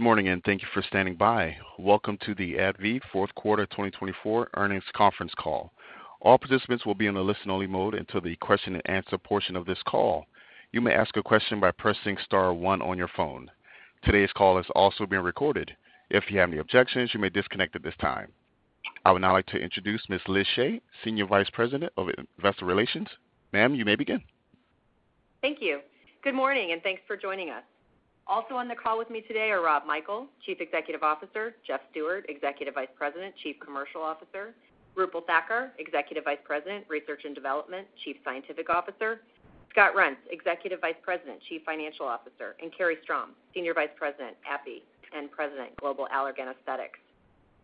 Good morning and thank you for standing by. Welcome to the AbbVie Fourth Quarter 2024 earnings conference call. All participants will be in a listen-only mode until the question-and-answer portion of this call. You may ask a question by pressing star one on your phone. Today's call is also being recorded. If you have any objections, you may disconnect at this time. I would now like to introduce Ms. Liz Shea, Senior Vice President of Investor Relations. Ma'am, you may begin. Thank you. Good morning and thanks for joining us. Also on the call with me today are Rob Michael, Chief Executive Officer, Jeff Stewart, Executive Vice President, Chief Commercial Officer, Roopal Thakkar, Executive Vice President, Research and Development, Chief Scientific Officer, Scott Reents, Executive Vice President, Chief Financial Officer, and Carrie Strom, Senior Vice President, AbbVie, and President, Global Allergan Aesthetics.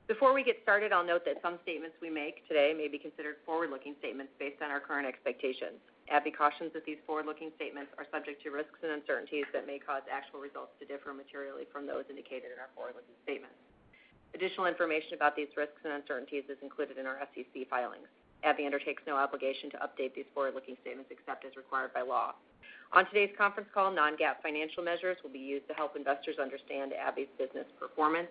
Before we get started, I'll note that some statements we make today may be considered forward-looking statements based on our current expectations. AbbVie cautions that these forward-looking statements are subject to risks and uncertainties that may cause actual results to differ materially from those indicated in our forward-looking statements. Additional information about these risks and uncertainties is included in our SEC filings. AbbVie undertakes no obligation to update these forward-looking statements except as required by law. On today's conference call, non-GAAP financial measures will be used to help investors understand AbbVie's business performance.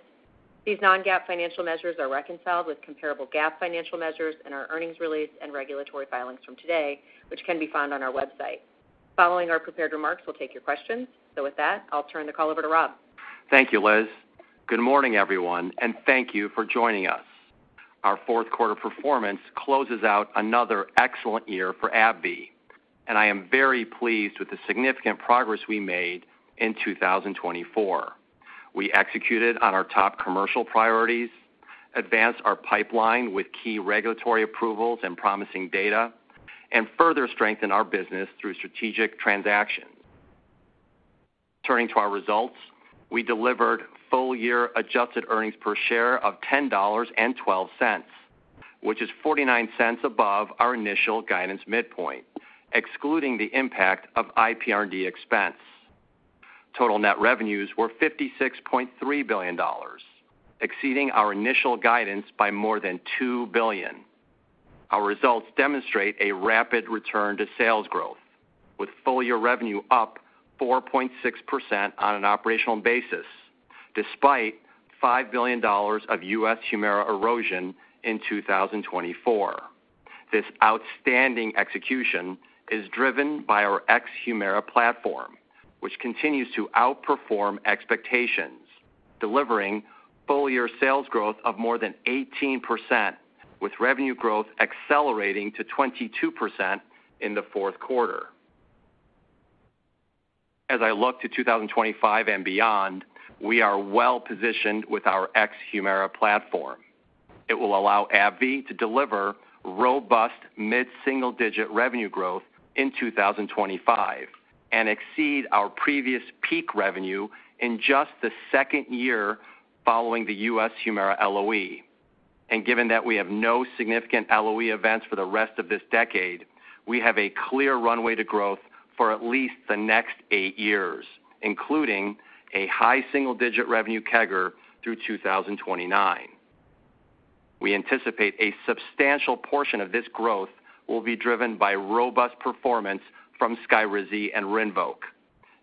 These non-GAAP financial measures are reconciled with comparable GAAP financial measures in our earnings release and regulatory filings from today, which can be found on our website. Following our prepared remarks, we'll take your questions. So with that, I'll turn the call over to Rob. Thank you, Liz. Good morning, everyone, and thank you for joining us. Our fourth quarter performance closes out another excellent year for AbbVie, and I am very pleased with the significant progress we made in 2024. We executed on our top commercial priorities, advanced our pipeline with key regulatory approvals and promising data, and further strengthened our business through strategic transactions. Turning to our results, we delivered full-year adjusted earnings per share of $10.12, which is $0.49 above our initial guidance midpoint, excluding the impact of IPR&D expense. Total net revenues were $56.3 billion, exceeding our initial guidance by more than $2 billion. Our results demonstrate a rapid return to sales growth, with full-year revenue up 4.6% on an operational basis, despite $5 billion of U.S. Humira erosion in 2024. This outstanding execution is driven by our ex-Humira platform, which continues to outperform expectations, delivering full-year sales growth of more than 18%, with revenue growth accelerating to 22% in the fourth quarter. As I look to 2025 and beyond, we are well-positioned with our ex-Humira platform. It will allow AbbVie to deliver robust mid-single-digit revenue growth in 2025 and exceed our previous peak revenue in just the second year following the U.S. Humira LOE. And given that we have no significant LOE events for the rest of this decade, we have a clear runway to growth for at least the next eight years, including a high single-digit revenue CAGR through 2029. We anticipate a substantial portion of this growth will be driven by robust performance from Skyrizi and Rinvoq.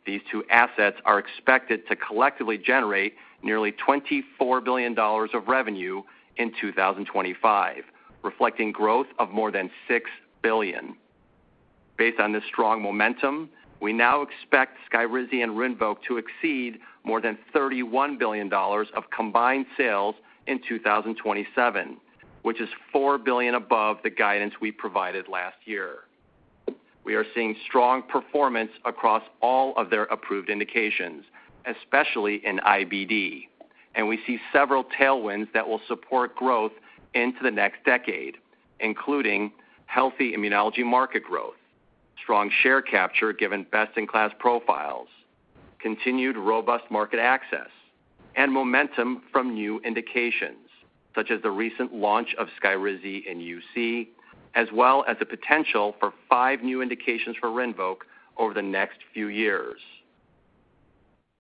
These two assets are expected to collectively generate nearly $24 billion of revenue in 2025, reflecting growth of more than $6 billion. Based on this strong momentum, we now expect Skyrizi and Rinvoq to exceed more than $31 billion of combined sales in 2027, which is $4 billion above the guidance we provided last year. We are seeing strong performance across all of their approved indications, especially in IBD, and we see several tailwinds that will support growth into the next decade, including healthy immunology market growth, strong share capture given best-in-class profiles, continued robust market access, and momentum from new indications such as the recent launch of Skyrizi in UC, as well as the potential for five new indications for Rinvoq over the next few years.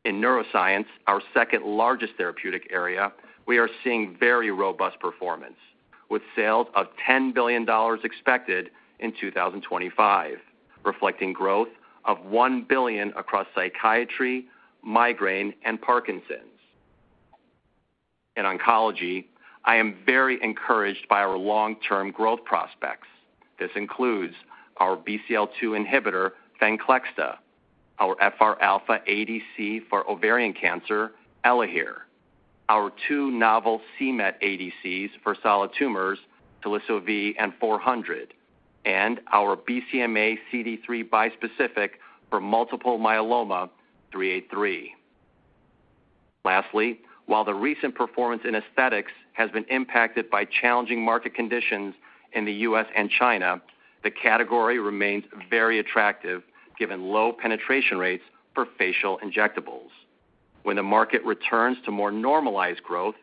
In neuroscience, our second-largest therapeutic area, we are seeing very robust performance, with sales of $10 billion expected in 2025, reflecting growth of $1 billion across psychiatry, migraine, and Parkinson's. In oncology, I am very encouraged by our long-term growth prospects. This includes our BCL-2 inhibitor, Venclexta, our FR-alpha ADC for ovarian cancer, Elahere, our two novel c-Met ADCs for solid tumors, Teliso-V and 400, and our BCMA CD3 bispecific for multiple myeloma, 383. Lastly, while the recent performance in aesthetics has been impacted by challenging market conditions in the U.S. and China, the category remains very attractive given low penetration rates for facial injectables. When the market returns to more normalized growth,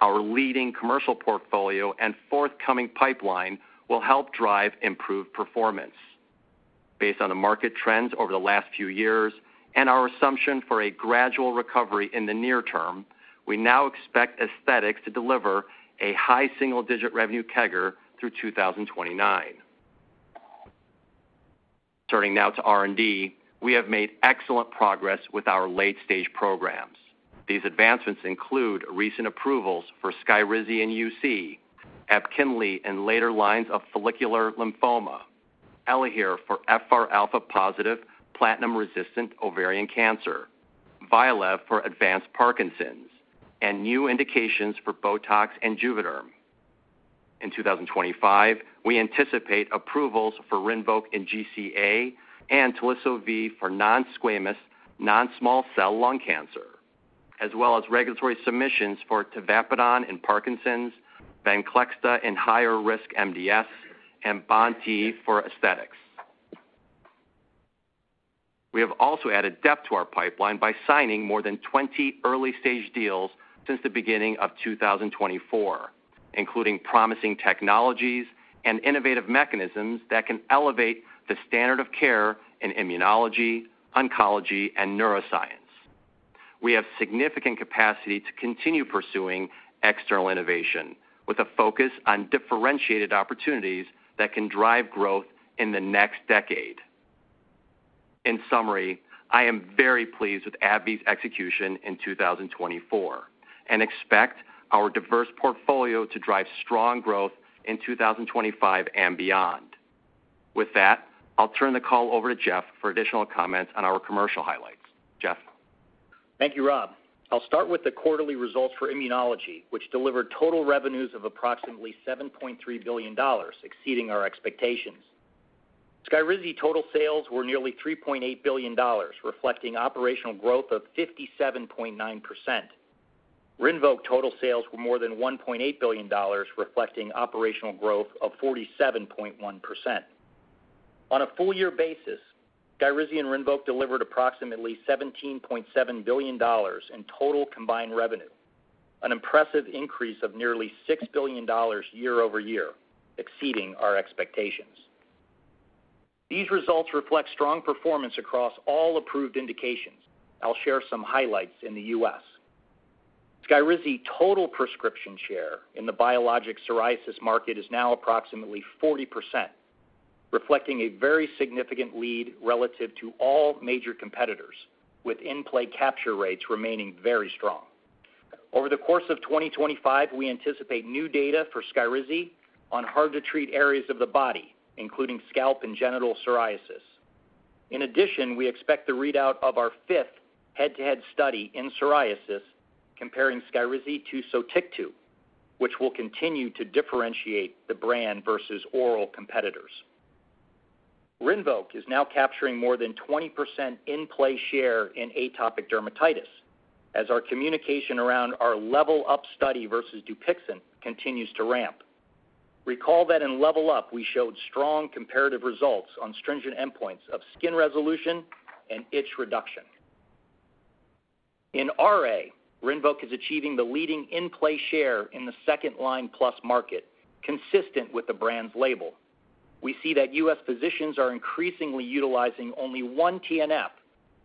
our leading commercial portfolio and forthcoming pipeline will help drive improved performance. Based on the market trends over the last few years and our assumption for a gradual recovery in the near term, we now expect aesthetics to deliver a high single-digit revenue CAGR through 2029. Turning now to R&D, we have made excellent progress with our late-stage programs. These advancements include recent approvals for Skyrizi in UC, Epkinly in later lines of follicular lymphoma, Elahere for FR-alpha positive platinum-resistant ovarian cancer, Vyalev for advanced Parkinson's, and new indications for Botox and Juvéderm. In 2025, we anticipate approvals for Rinvoq in GCA and Teliso-V for non-squamous non-small cell lung cancer, as well as regulatory submissions for Tavapadon in Parkinson's, Venclexta in higher-risk MDS, and BoNT/E for aesthetics. We have also added depth to our pipeline by signing more than 20 early-stage deals since the beginning of 2024, including promising technologies and innovative mechanisms that can elevate the standard of care in immunology, oncology, and neuroscience. We have significant capacity to continue pursuing external innovation with a focus on differentiated opportunities that can drive growth in the next decade. In summary, I am very pleased with AbbVie's execution in 2024 and expect our diverse portfolio to drive strong growth in 2025 and beyond. With that, I'll turn the call over to Jeff for additional comments on our commercial highlights. Jeff. Thank you, Rob. I'll start with the quarterly results for immunology, which delivered total revenues of approximately $7.3 billion, exceeding our expectations. Skyrizi total sales were nearly $3.8 billion, reflecting operational growth of 57.9%. Rinvoq total sales were more than $1.8 billion, reflecting operational growth of 47.1%. On a full-year basis, Skyrizi and Rinvoq delivered approximately $17.7 billion in total combined revenue, an impressive increase of nearly $6 billion year-over-year, exceeding our expectations. These results reflect strong performance across all approved indications. I'll share some highlights in the U.S. Skyrizi total prescription share in the biologic psoriasis market is now approximately 40%, reflecting a very significant lead relative to all major competitors, with in-play capture rates remaining very strong. Over the course of 2025, we anticipate new data for Skyrizi on hard-to-treat areas of the body, including scalp and genital psoriasis. In addition, we expect the readout of our fifth head-to-head study in psoriasis, comparing Skyrizi to Sotyktu, which will continue to differentiate the brand versus oral competitors. Rinvoq is now capturing more than 20% in-play share in atopic dermatitis, as our communication around our Level Up study versus Dupixent continues to ramp. Recall that in Level Up, we showed strong comparative results on stringent endpoints of skin resolution and itch reduction. In RA, Rinvoq is achieving the leading in-play share in the second-line plus market, consistent with the brand's label. We see that U.S. physicians are increasingly utilizing only one TNF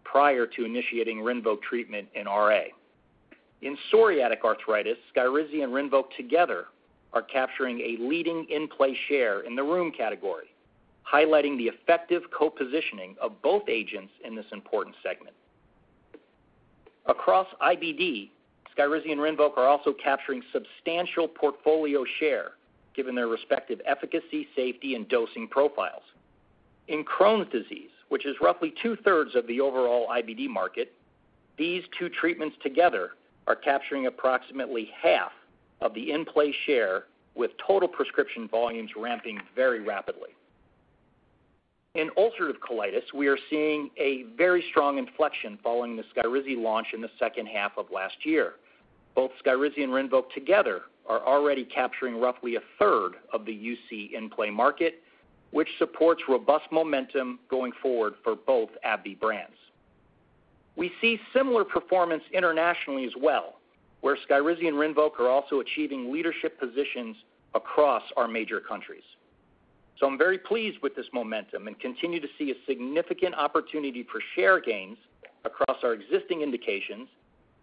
prior to initiating Rinvoq treatment in RA. In psoriatic arthritis, Skyrizi and Rinvoq together are capturing a leading in-play share in the Rheum category, highlighting the effective co-positioning of both agents in this important segment. Across IBD, Skyrizi and Rinvoq are also capturing substantial portfolio share, given their respective efficacy, safety, and dosing profiles. In Crohn's disease, which is roughly two-thirds of the overall IBD market, these two treatments together are capturing approximately half of the in-play share, with total prescription volumes ramping very rapidly. In ulcerative colitis, we are seeing a very strong inflection following the Skyrizi launch in the second half of last year. Both Skyrizi and Rinvoq together are already capturing roughly a third of the UC in-play market, which supports robust momentum going forward for both AbbVie brands. We see similar performance internationally as well, where Skyrizi and Rinvoq are also achieving leadership positions across our major countries. So I'm very pleased with this momentum and continue to see a significant opportunity for share gains across our existing indications,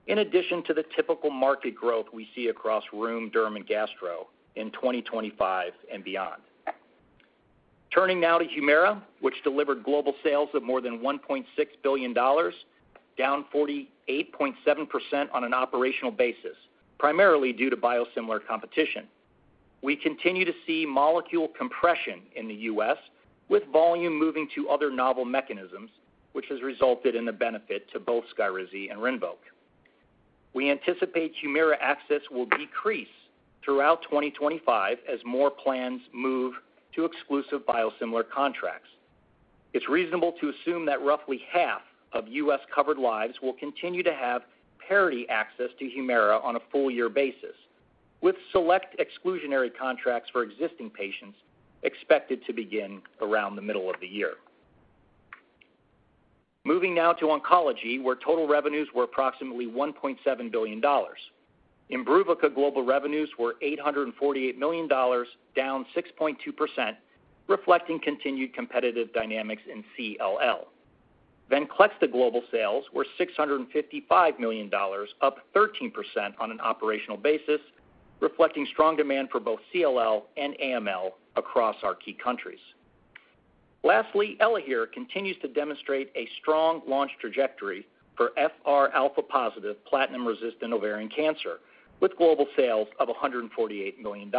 in addition to the typical market growth we see across room, derm, and gastro in 2025 and beyond. Turning now to Humira, which delivered global sales of more than $1.6 billion, down 48.7% on an operational basis, primarily due to biosimilar competition. We continue to see molecule compression in the U.S., with volume moving to other novel mechanisms, which has resulted in the benefit to both Skyrizi and Rinvoq. We anticipate Humira access will decrease throughout 2025 as more plans move to exclusive biosimilar contracts. It's reasonable to assume that roughly half of U.S. covered lives will continue to have parity access to Humira on a full-year basis, with select exclusionary contracts for existing patients expected to begin around the middle of the year. Moving now to oncology, where total revenues were approximately $1.7 billion. Imbruvica global revenues were $848 million, down 6.2%, reflecting continued competitive dynamics in CLL. Venclexta global sales were $655 million, up 13% on an operational basis, reflecting strong demand for both CLL and AML across our key countries. Lastly, Elahere continues to demonstrate a strong launch trajectory for FR-alpha positive platinum-resistant ovarian cancer, with global sales of $148 million.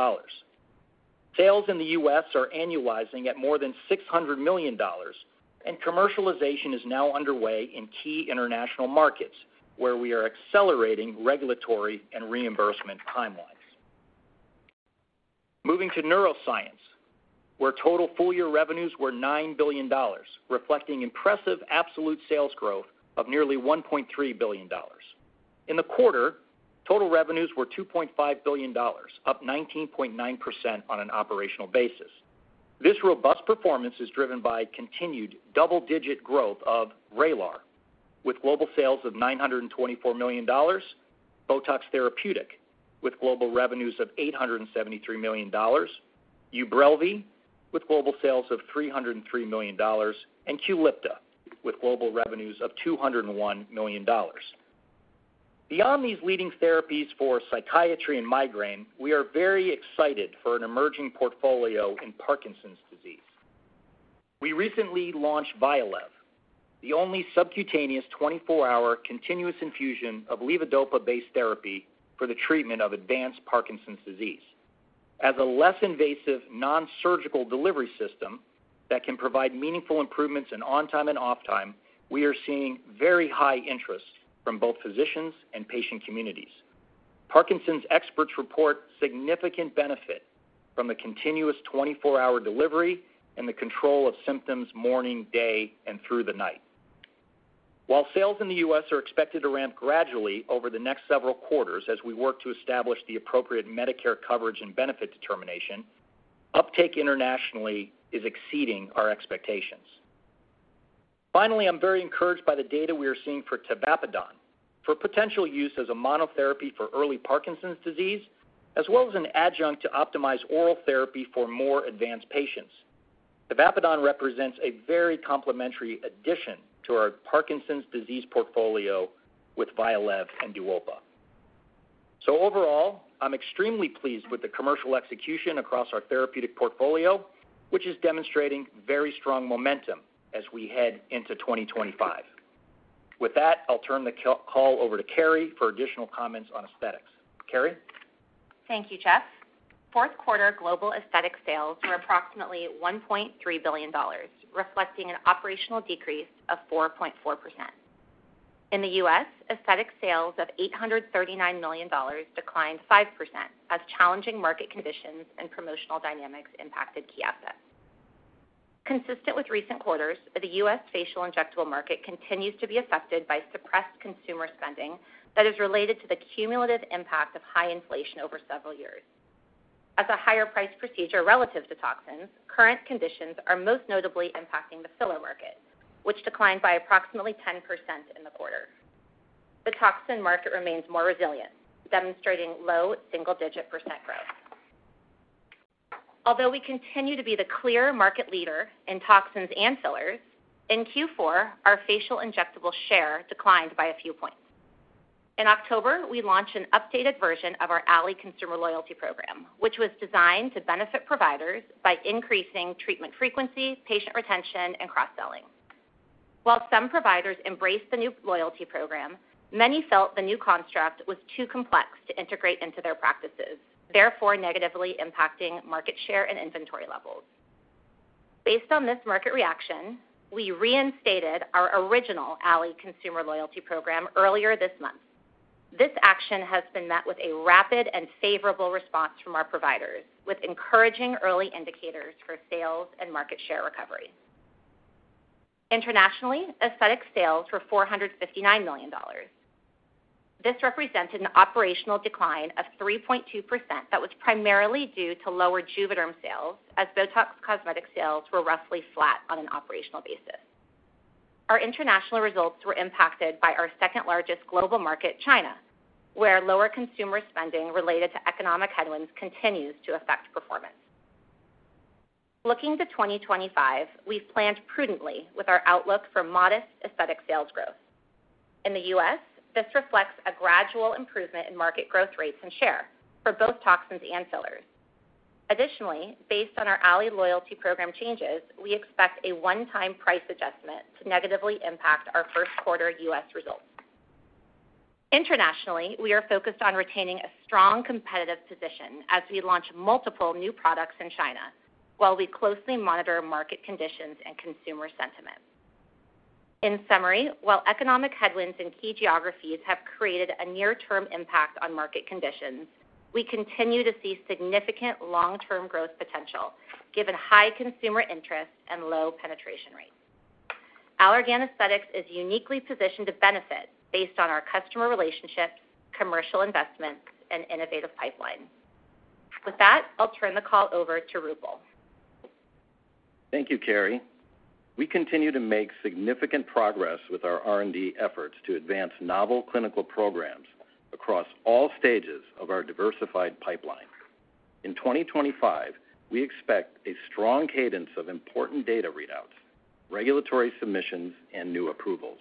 Sales in the U.S. are annualizing at more than $600 million, and commercialization is now underway in key international markets, where we are accelerating regulatory and reimbursement timelines. Moving to neuroscience, where total full-year revenues were $9 billion, reflecting impressive absolute sales growth of nearly $1.3 billion. In the quarter, total revenues were $2.5 billion, up 19.9% on an operational basis. This robust performance is driven by continued double-digit growth of Vraylar, with global sales of $924 million, Botox Therapeutic with global revenues of $873 million, Ubrelvy with global sales of $303 million, and Qulipta with global revenues of $201 million. Beyond these leading therapies for psychiatry and migraine, we are very excited for an emerging portfolio in Parkinson's disease. We recently launched Vyalev, the only subcutaneous 24-hour continuous infusion of levodopa-based therapy for the treatment of advanced Parkinson's disease. As a less invasive, non-surgical delivery system that can provide meaningful improvements in on-time and off-time, we are seeing very high interest from both physicians and patient communities. Parkinson's experts report significant benefit from the continuous 24-hour delivery and the control of symptoms morning, day, and through the night. While sales in the U.S. are expected to ramp gradually over the next several quarters as we work to establish the appropriate Medicare coverage and benefit determination, uptake internationally is exceeding our expectations. Finally, I'm very encouraged by the data we are seeing for tavapadon for potential use as a monotherapy for early Parkinson's disease, as well as an adjunct to optimize oral therapy for more advanced patients. Tavapadon represents a very complementary addition to our Parkinson's disease portfolio with Vyalev and Duopa. So overall, I'm extremely pleased with the commercial execution across our therapeutic portfolio, which is demonstrating very strong momentum as we head into 2025. With that, I'll turn the call over to Carrie for additional comments on aesthetics. Carrie? Thank you, Jeff. Fourth quarter global aesthetic sales were approximately $1.3 billion, reflecting an operational decrease of 4.4%. In the U.S., aesthetic sales of $839 million declined 5% as challenging market conditions and promotional dynamics impacted key assets. Consistent with recent quarters, the U.S. facial injectable market continues to be affected by suppressed consumer spending that is related to the cumulative impact of high inflation over several years. As a higher-priced procedure relative to toxins, current conditions are most notably impacting the filler market, which declined by approximately 10% in the quarter. The toxin market remains more resilient, demonstrating low single-digit % growth. Although we continue to be the clear market leader in toxins and fillers, in Q4, our facial injectable share declined by a few points. In October, we launched an updated version of our Allē Consumer Loyalty Program, which was designed to benefit providers by increasing treatment frequency, patient retention, and cross-selling. While some providers embraced the new loyalty program, many felt the new construct was too complex to integrate into their practices, therefore negatively impacting market share and inventory levels. Based on this market reaction, we reinstated our original Allē Consumer Loyalty Program earlier this month. This action has been met with a rapid and favorable response from our providers, with encouraging early indicators for sales and market share recovery. Internationally, aesthetic sales were $459 million. This represented an operational decline of 3.2% that was primarily due to lower Juvéderm sales, as Botox Cosmetic sales were roughly flat on an operational basis. Our international results were impacted by our second-largest global market, China, where lower consumer spending related to economic headwinds continues to affect performance. Looking to 2025, we've planned prudently with our outlook for modest aesthetic sales growth. In the U.S., this reflects a gradual improvement in market growth rates and share for both toxins and fillers. Additionally, based on our Allē Loyalty Program changes, we expect a one-time price adjustment to negatively impact our first quarter U.S. results. Internationally, we are focused on retaining a strong competitive position as we launch multiple new products in China, while we closely monitor market conditions and consumer sentiment. In summary, while economic headwinds in key geographies have created a near-term impact on market conditions, we continue to see significant long-term growth potential, given high consumer interest and low penetration rates. Allergan Aesthetics is uniquely positioned to benefit based on our customer relationships, commercial investments, and innovative pipelines. With that, I'll turn the call over to Roopal. Thank you, Carrie. We continue to make significant progress with our R&D efforts to advance novel clinical programs across all stages of our diversified pipeline. In 2025, we expect a strong cadence of important data readouts, regulatory submissions, and new approvals,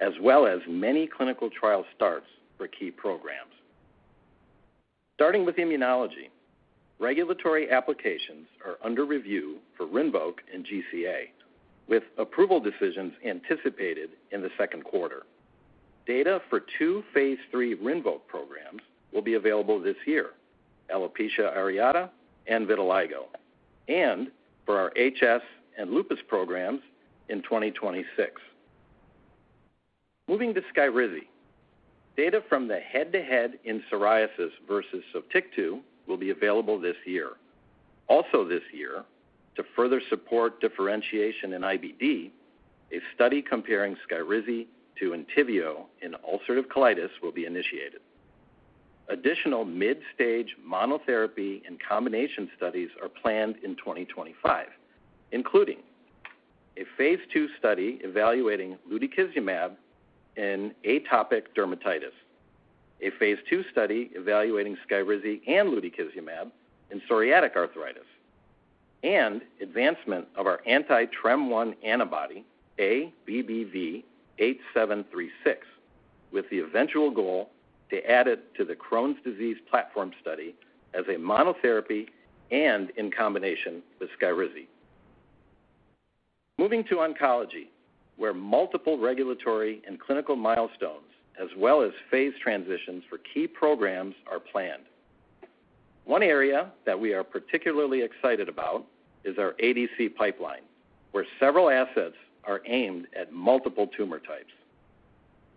as well as many clinical trial starts for key programs. Starting with immunology, regulatory applications are under review for Rinvoq and GCA, with approval decisions anticipated in the second quarter. Data for two Phase 3 Rinvoq programs will be available this year, Alopecia Areata and Vitiligo, and for our HS and lupus programs in 2026. Moving to Skyrizi, data from the head-to-head in psoriasis versus Sotyktu will be available this year. Also this year, to further support differentiation in IBD, a study comparing Skyrizi to Entyvio in ulcerative colitis will be initiated. Additional mid-stage monotherapy and combination studies are planned in 2025, including a Phase II study evaluating lutikizumab in atopic dermatitis, a Phase II study evaluating Skyrizi and lutikizumab in psoriatic arthritis, and advancement of our anti-TREM1 antibody ABBV-8736, with the eventual goal to add it to the Crohn's disease platform study as a monotherapy and in combination with Skyrizi. Moving to oncology, where multiple regulatory and clinical milestones, as well as Phase transitions for key programs, are planned. One area that we are particularly excited about is our ADC pipeline, where several assets are aimed at multiple tumor types.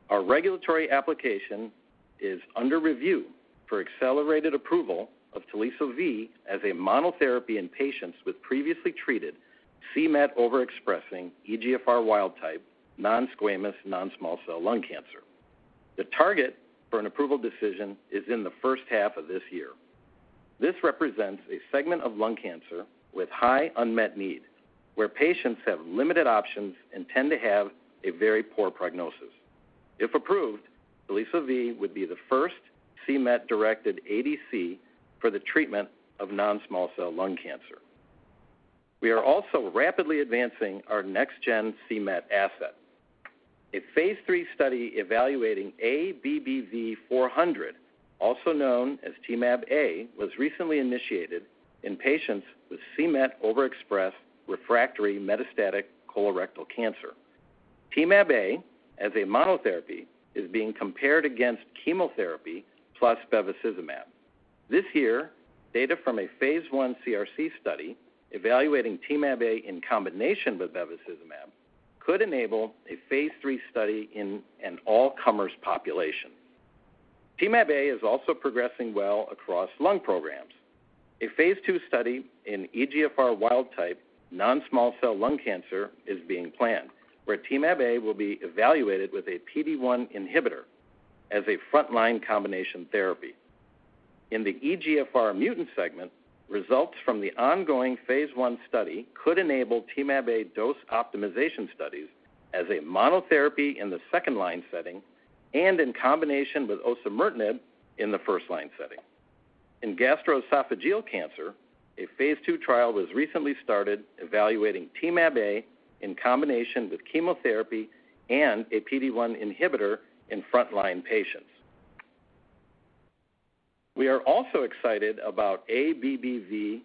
Our regulatory application is under review for accelerated approval of Teliso-V as a monotherapy in patients with previously treated c-Met overexpressing EGFR wild type non-squamous non-small cell lung cancer. The target for an approval decision is in the first half of this year. This represents a segment of lung cancer with high unmet need, where patients have limited options and tend to have a very poor prognosis. If approved, Teliso-V would be the first c-Met-directed ADC for the treatment of non-small cell lung cancer. We are also rapidly advancing our next-gen c-Met asset. A Phase III study evaluating ABBV-400, also known as TMAbA, was recently initiated in patients with c-Met overexpressed refractory metastatic colorectal cancer. TMAbA, as a monotherapy, is being compared against chemotherapy plus Bevacizumab. This year, data from a Phase I CRC study evaluating TMAbA in combination with Bevacizumab could enable a Phase III study in an all-comers population. TMAbA is also progressing well across lung programs. A Phase II study in EGFR wild type non-small cell lung cancer is being planned, where TMAbA will be evaluated with a PD-1 inhibitor as a frontline combination therapy. In the EGFR mutant segment, results from the ongoing Phase I study could enable TMAbA dose optimization studies as a monotherapy in the second line setting and in combination with osimertinib in the first line setting. In gastroesophageal cancer, a Phase II trial was recently started evaluating TMAbA in combination with chemotherapy and a PD-1 inhibitor in frontline patients. We are also excited about ABBV-706,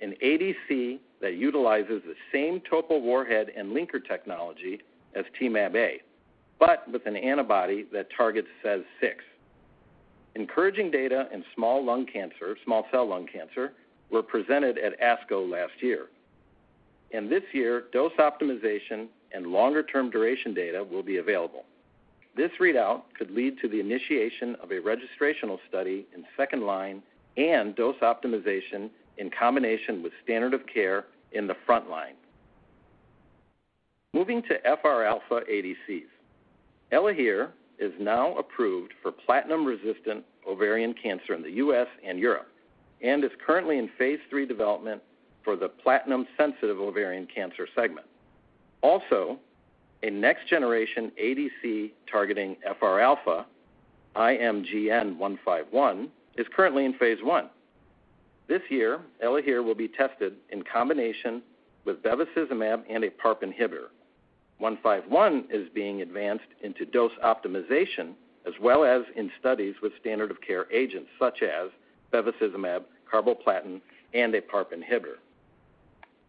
an ADC that utilizes the same topo warhead and linker technology as TMAbA, but with an antibody that targets SEZ6. Encouraging data in small cell lung cancer were presented at ASCO last year. In this year, dose optimization and longer-term duration data will be available. This readout could lead to the initiation of a registrational study in second line and dose optimization in combination with standard of care in the front line. Moving to FR-alpha ADCs, Elahere is now approved for platinum-resistant ovarian cancer in the U.S. and Europe and is currently in Phase III development for the platinum-sensitive ovarian cancer segment. Also, a next-generation ADC targeting FR-alpha, IMGN151, is currently in Phase I. This year, Elahere will be tested in combination with bevacizumab and a PARP inhibitor. 151 is being advanced into dose optimization, as well as in studies with standard of care agents such as bevacizumab, carboplatin, and a PARP inhibitor.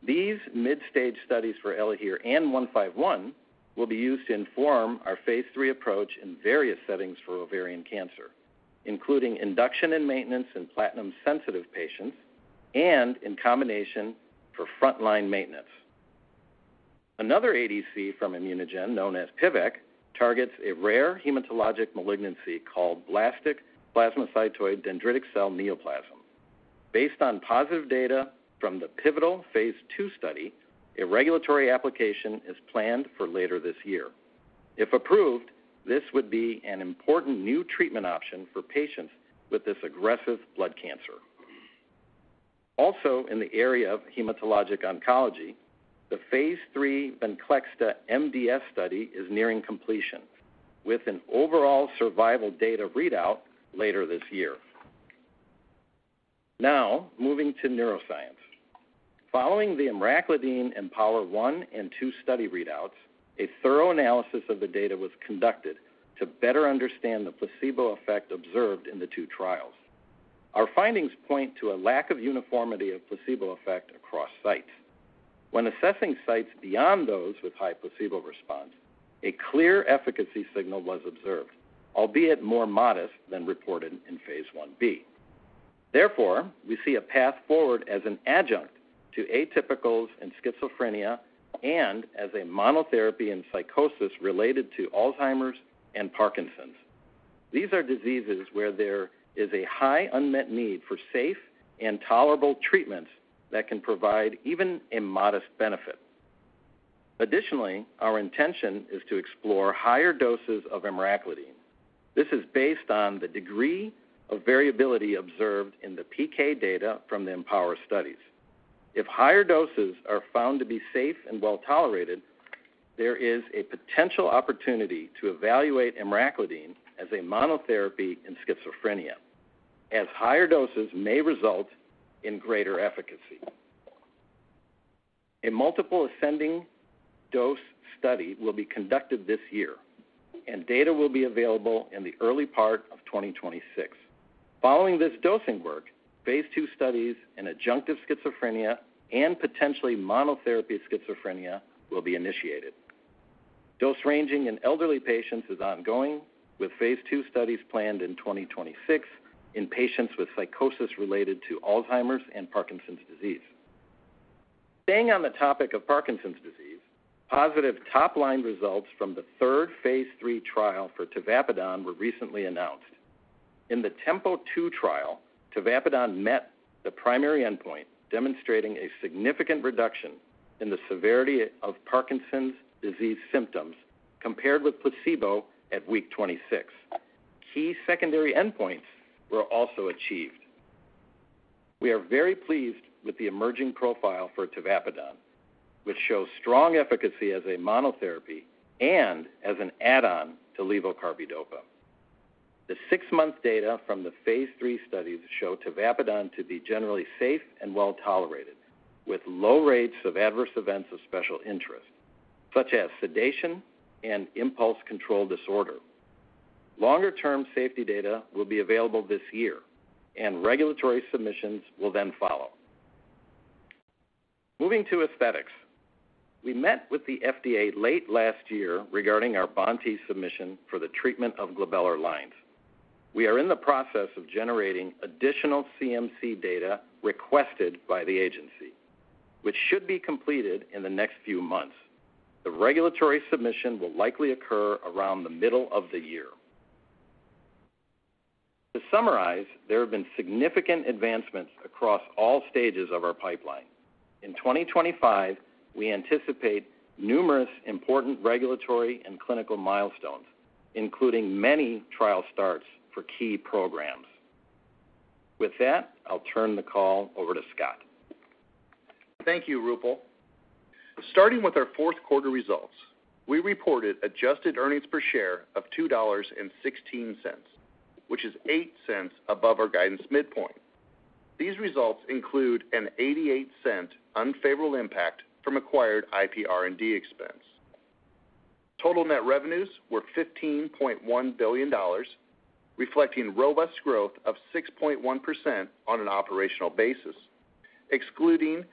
These mid-stage studies for Elahere and 151 will be used to inform our Phase III approach in various settings for ovarian cancer, including induction and maintenance in platinum-sensitive patients and in combination for frontline maintenance. Another ADC from ImmunoGen, known as PVEK, targets a rare hematologic malignancy called blastic plasmacytoid dendritic cell neoplasm. Based on positive data from the pivotal Phase II study, a regulatory application is planned for later this year. If approved, this would be an important new treatment option for patients with this aggressive blood cancer. Also, in the area of hematologic oncology, the Phase III Venclexta MDS study is nearing completion, with an overall survival data readout later this year. Now, moving to neuroscience. Following the emracladine and EMPOWER-1 and 2 study readouts, a thorough analysis of the data was conducted to better understand the placebo effect observed in the two trials. Our findings point to a lack of uniformity of placebo effect across sites. When assessing sites beyond those with high placebo response, a clear efficacy signal was observed, albeit more modest than reported in Phase Ib. Therefore, we see a path forward as an adjunct to atypicals and schizophrenia and as a monotherapy in psychosis related to Alzheimer's and Parkinson's. These are diseases where there is a high unmet need for safe and tolerable treatments that can provide even a modest benefit. Additionally, our intention is to explore higher doses of emracladine. This is based on the degree of variability observed in the PK data from the EMPOWER studies. If higher doses are found to be safe and well tolerated, there is a potential opportunity to evaluate emracladine as a monotherapy in schizophrenia, as higher doses may result in greater efficacy. A multiple ascending dose study will be conducted this year, and data will be available in the early part of 2026. Following this dosing work, Phase II studies in adjunctive schizophrenia and potentially monotherapy schizophrenia will be initiated. Dose ranging in elderly patients is ongoing, with Phase 2 studies planned in 2026 in patients with psychosis related to Alzheimer's and Parkinson's disease. Staying on the topic of Parkinson's disease, positive top-line results from the third Phase 3 trial for tavapadon were recently announced. In the TEMPO-2 trial, tavapadon met the primary endpoint, demonstrating a significant reduction in the severity of Parkinson's disease symptoms compared with placebo at week 26. Key secondary endpoints were also achieved. We are very pleased with the emerging profile for tavapadon, which shows strong efficacy as a monotherapy and as an add-on to levodopa/carbidopa. The six-month data from the Phase 3 studies show tavapadon to be generally safe and well tolerated, with low rates of adverse events of special interest, such as sedation and impulse control disorder. Longer-term safety data will be available this year, and regulatory submissions will then follow. Moving to aesthetics, we met with the FDA late last year regarding our BoNT/E submission for the treatment of glabellar lines. We are in the process of generating additional CMC data requested by the agency, which should be completed in the next few months. The regulatory submission will likely occur around the middle of the year. To summarize, there have been significant advancements across all stages of our pipeline. In 2025, we anticipate numerous important regulatory and clinical milestones, including many trial starts for key programs. With that, I'll turn the call over to Scott. Thank you, Roopal. Starting with our fourth quarter results, we reported adjusted earnings per share of $2.16, which is $0.08 above our guidance midpoint. These results include a $0.88 unfavorable impact from acquired IPR&D expense. Total net revenues were $15.1 billion, reflecting robust growth of 6.1% on an operational basis, excluding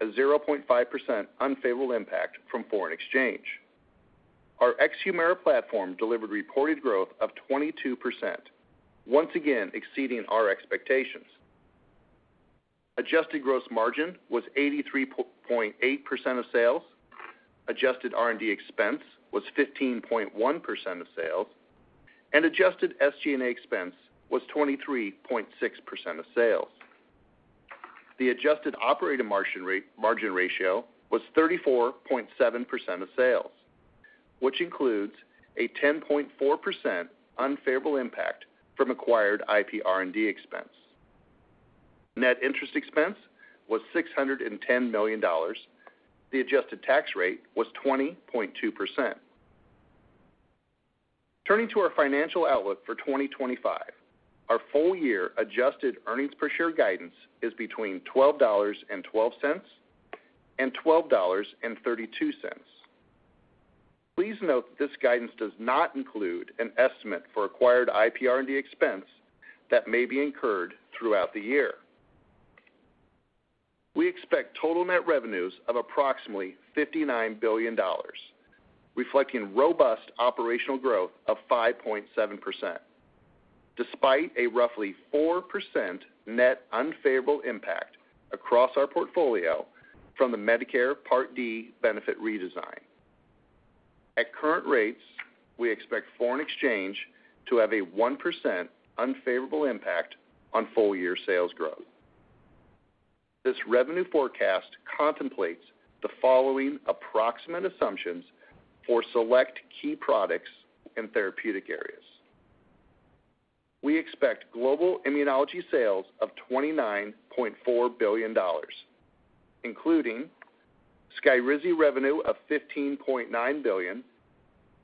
a 0.5% unfavorable impact from foreign exchange. Our Humira platform delivered reported growth of 22%, once again exceeding our expectations. Adjusted gross margin was 83.8% of sales, adjusted R&D expense was 15.1% of sales, and adjusted SG&A expense was 23.6% of sales. The adjusted operating margin ratio was 34.7% of sales, which includes a 10.4% unfavorable impact from acquired IPR&D expense. Net interest expense was $610 million. The adjusted tax rate was 20.2%. Turning to our financial outlook for 2025, our full-year adjusted earnings per share guidance is between $12.12 and $12.32. Please note that this guidance does not include an estimate for acquired IPR&D expense that may be incurred throughout the year. We expect total net revenues of approximately $59 billion, reflecting robust operational growth of 5.7%, despite a roughly 4% net unfavorable impact across our portfolio from the Medicare Part D benefit redesign. At current rates, we expect foreign exchange to have a 1% unfavorable impact on full-year sales growth. This revenue forecast contemplates the following approximate assumptions for select key products and therapeutic areas. We expect global immunology sales of $29.4 billion, including Skyrizi revenue of $15.9 billion,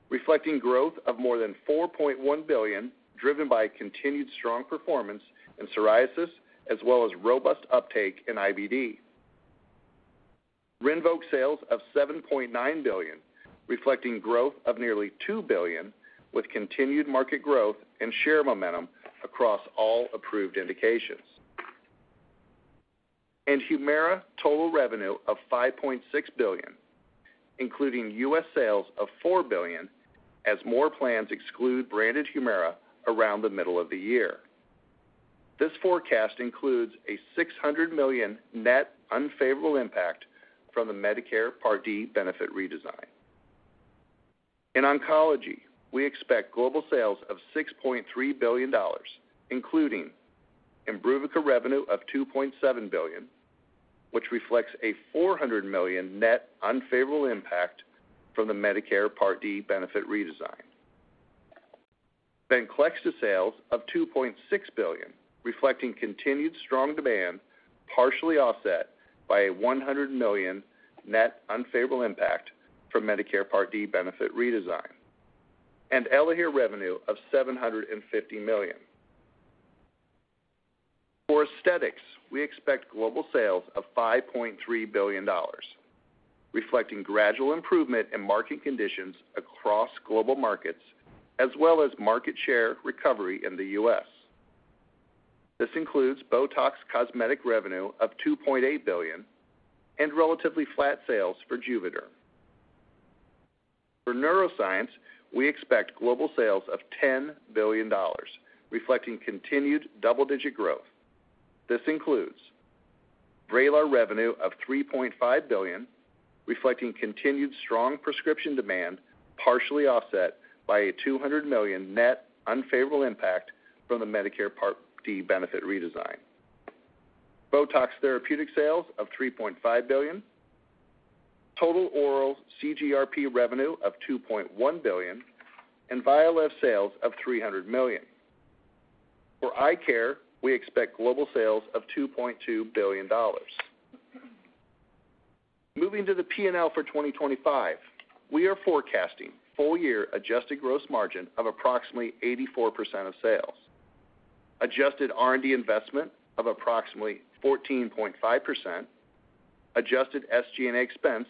reflecting growth of more than $4.1 billion driven by continued strong performance in psoriasis, as well as robust uptake in IBD. Rinvoq sales of $7.9 billion, reflecting growth of nearly $2 billion, with continued market growth and share momentum across all approved indications, and Humira total revenue of $5.6 billion, including U.S. sales of $4 billion, as more plans exclude branded Humira around the middle of the year. This forecast includes a $600 million net unfavorable impact from the Medicare Part D benefit redesign. In oncology, we expect global sales of $6.3 billion, including Imbruvica revenue of $2.7 billion, which reflects a $400 million net unfavorable impact from the Medicare Part D benefit redesign. Venclexta sales of $2.6 billion, reflecting continued strong demand, partially offset by a $100 million net unfavorable impact from Medicare Part D benefit redesign. And Elahere revenue of $750 million. For aesthetics, we expect global sales of $5.3 billion, reflecting gradual improvement in market conditions across global markets, as well as market share recovery in the U.S. This includes Botox Cosmetic revenue of $2.8 billion and relatively flat sales for Juvéderm. For neuroscience, we expect global sales of $10 billion, reflecting continued double-digit growth. This includes Vraylar revenue of $3.5 billion, reflecting continued strong prescription demand, partially offset by a $200 million net unfavorable impact from the Medicare Part D benefit redesign. Botox therapeutic sales of $3.5 billion, total oral CGRP revenue of $2.1 billion, and Vyalev sales of $300 million. For eye care, we expect global sales of $2.2 billion. Moving to the P&L for 2025, we are forecasting full-year adjusted gross margin of approximately 84% of sales, adjusted R&D investment of approximately 14.5%, adjusted SG&A expense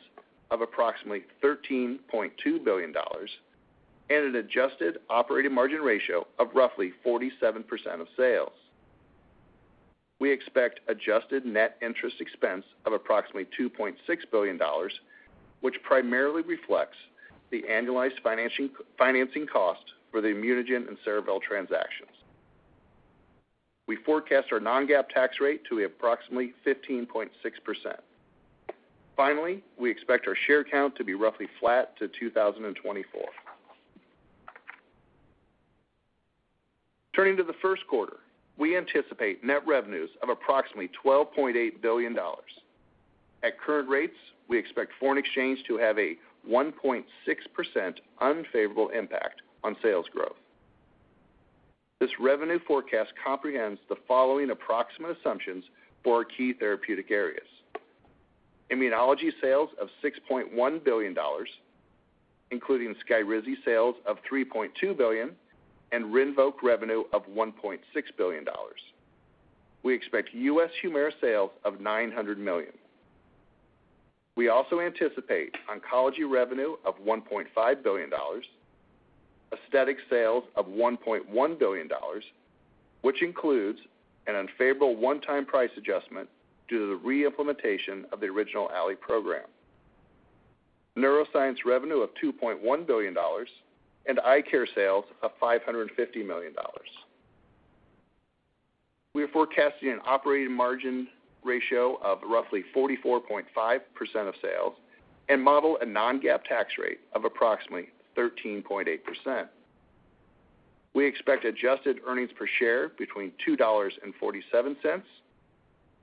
of approximately $13.2 billion, and an adjusted operating margin ratio of roughly 47% of sales. We expect adjusted net interest expense of approximately $2.6 billion, which primarily reflects the annualized financing cost for the ImmunoGen and Cerevel transactions. We forecast our non-GAAP tax rate to be approximately 15.6%. Finally, we expect our share count to be roughly flat to 2024. Turning to the first quarter, we anticipate net revenues of approximately $12.8 billion. At current rates, we expect foreign exchange to have a 1.6% unfavorable impact on sales growth. This revenue forecast comprehends the following approximate assumptions for our key therapeutic areas: Immunology sales of $6.1 billion, including Skyrizi sales of $3.2 billion, and Rinvoq revenue of $1.6 billion. We expect U.S. Humira sales of $900 million. We also anticipate oncology revenue of $1.5 billion, aesthetic sales of $1.1 billion, which includes an unfavorable one-time price adjustment due to the reimplementation of the original Allē program, neuroscience revenue of $2.1 billion, and eye care sales of $550 million. We are forecasting an operating margin ratio of roughly 44.5% of sales and model a non-GAAP tax rate of approximately 13.8%. We expect adjusted earnings per share between $2.47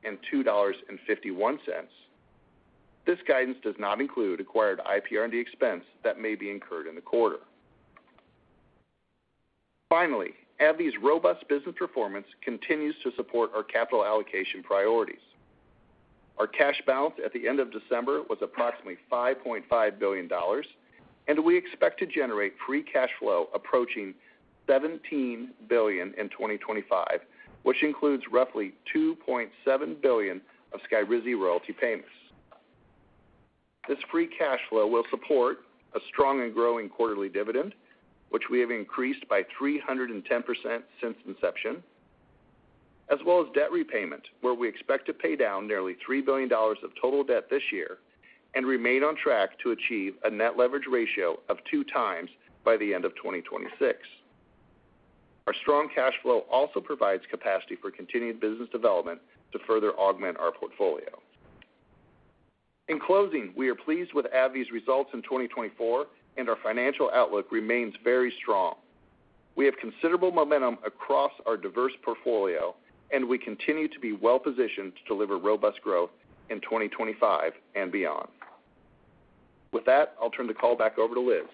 and $2.51. This guidance does not include acquired IPR&D expense that may be incurred in the quarter. Finally, AbbVie's robust business performance continues to support our capital allocation priorities. Our cash balance at the end of December was approximately $5.5 billion, and we expect to generate free cash flow approaching $17 billion in 2025, which includes roughly $2.7 billion of Skyrizi royalty payments. This free cash flow will support a strong and growing quarterly dividend, which we have increased by 310% since inception, as well as debt repayment, where we expect to pay down nearly $3 billion of total debt this year and remain on track to achieve a net leverage ratio of two times by the end of 2026. Our strong cash flow also provides capacity for continued business development to further augment our portfolio. In closing, we are pleased with AbbVie's results in 2024, and our financial outlook remains very strong. We have considerable momentum across our diverse portfolio, and we continue to be well positioned to deliver robust growth in 2025 and beyond. With that, I'll turn the call back over to Liz.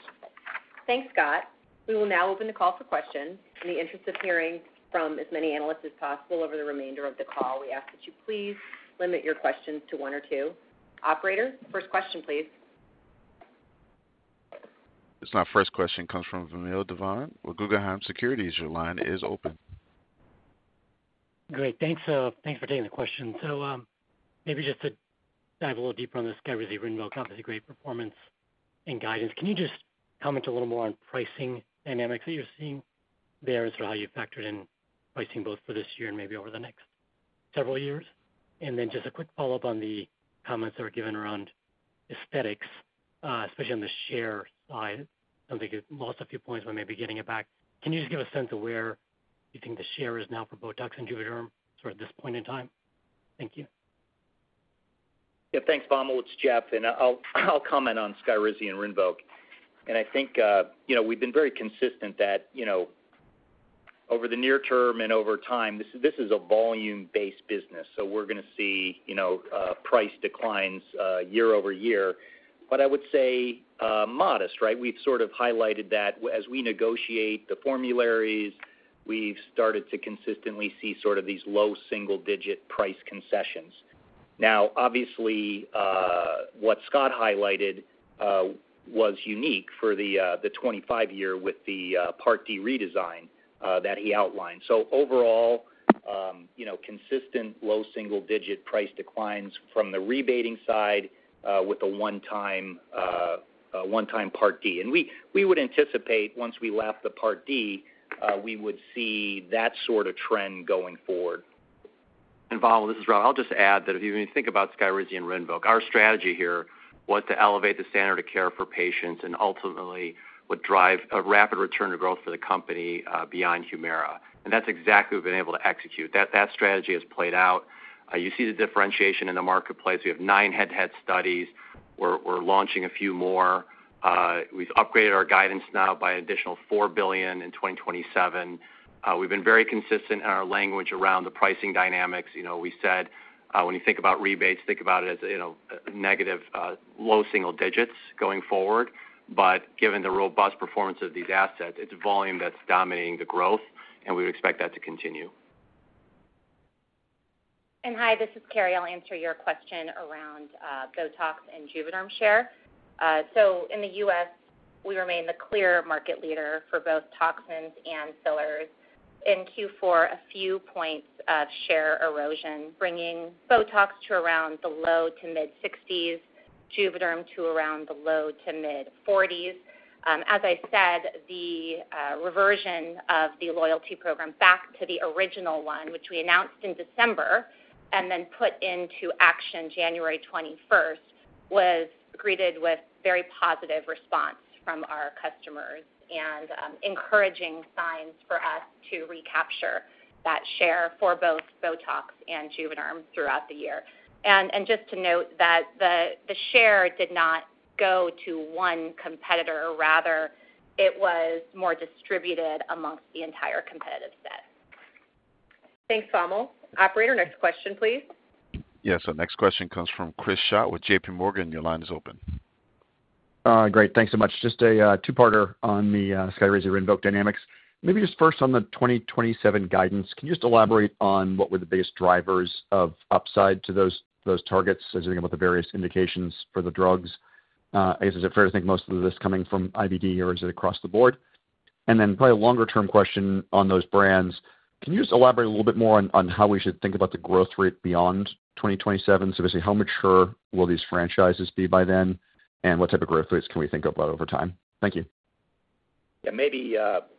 Thanks, Scott. We will now open the call for questions. In the interest of hearing from as many analysts as possible over the remainder of the call, we ask that you please limit your questions to one or two. Operator, first question, please. This is my first question. It comes from Vamil Divan with Guggenheim Securities. Your line is open. Great. Thanks for taking the question. So maybe just to dive a little deeper on the Skyrizi Rinvoq, obviously great performance and guidance. Can you just comment a little more on pricing dynamics that you're seeing there as to how you factored in pricing both for this year and maybe over the next several years? And then just a quick follow-up on the comments that were given around aesthetics, especially on the share side. It sounds like it lost a few points when maybe getting it back. Can you just give a sense of where you think the share is now for Botox and Juvéderm at this point in time? Thank you. Yeah, thanks, Vamil. It's Jeff, and I'll comment on Skyrizi and Rinvoq. And I think we've been very consistent that over the near term and over time, this is a volume-based business, so we're going to see price declines year over year. But I would say modest, right? We've sort of highlighted that as we negotiate the formularies, we've started to consistently see sort of these low single-digit price concessions. Now, obviously, what Scott highlighted was unique for 2025 with the Part D redesign that he outlined. So overall, consistent low single-digit price declines from the rebating side with a one-time Part D. And we would anticipate once we leave the Part D, we would see that sort of trend going forward. And Vamil, this is Rob. I'll just add that if you think about Skyrizi and Rinvoq, our strategy here was to elevate the standard of care for patients and ultimately would drive a rapid return to growth for the company beyond Humira. And that's exactly what we've been able to execute. That strategy has played out. You see the differentiation in the marketplace. We have nine head-to-head studies. We're launching a few more. We've upgraded our guidance now by an additional $4 billion in 2027. We've been very consistent in our language around the pricing dynamics. We said when you think about rebates, think about it as negative low single digits going forward. But given the robust performance of these assets, it's volume that's dominating the growth, and we would expect that to continue. And hi, this is Carrie. I'll answer your question around Botox and Juvéderm share. So in the U.S., we remain the clear market leader for both toxins and fillers. In Q4, a few points of share erosion, bringing Botox to around the low-to-mid 60s, Juvéderm to around the low-to-mid 40s. As I said, the reversion of the loyalty program back to the original one, which we announced in December and then put into action January 21st, was greeted with very positive response from our customers and encouraging signs for us to recapture that share for both Botox and Juvéderm throughout the year. And just to note that the share did not go to one competitor; rather, it was more distributed amongst the entire competitive set. Thanks, Vamil. Operator, next question, please. Yeah, so next question comes from Chris Schott with JPMorgan. Your line is open. Great. Thanks so much. Just a two-parter on the Skyrizi Rinvoq dynamics. Maybe just first on the 2027 guidance, can you just elaborate on what were the biggest drivers of upside to those targets as you think about the various indications for the drugs? Is it fair to think most of this coming from IBD, or is it across the board? And then probably a longer-term question on those brands. Can you just elaborate a little bit more on how we should think about the growth rate beyond 2027? So basically, how mature will these franchises be by then, and what type of growth rates can we think about over time? Thank you. Yeah, maybe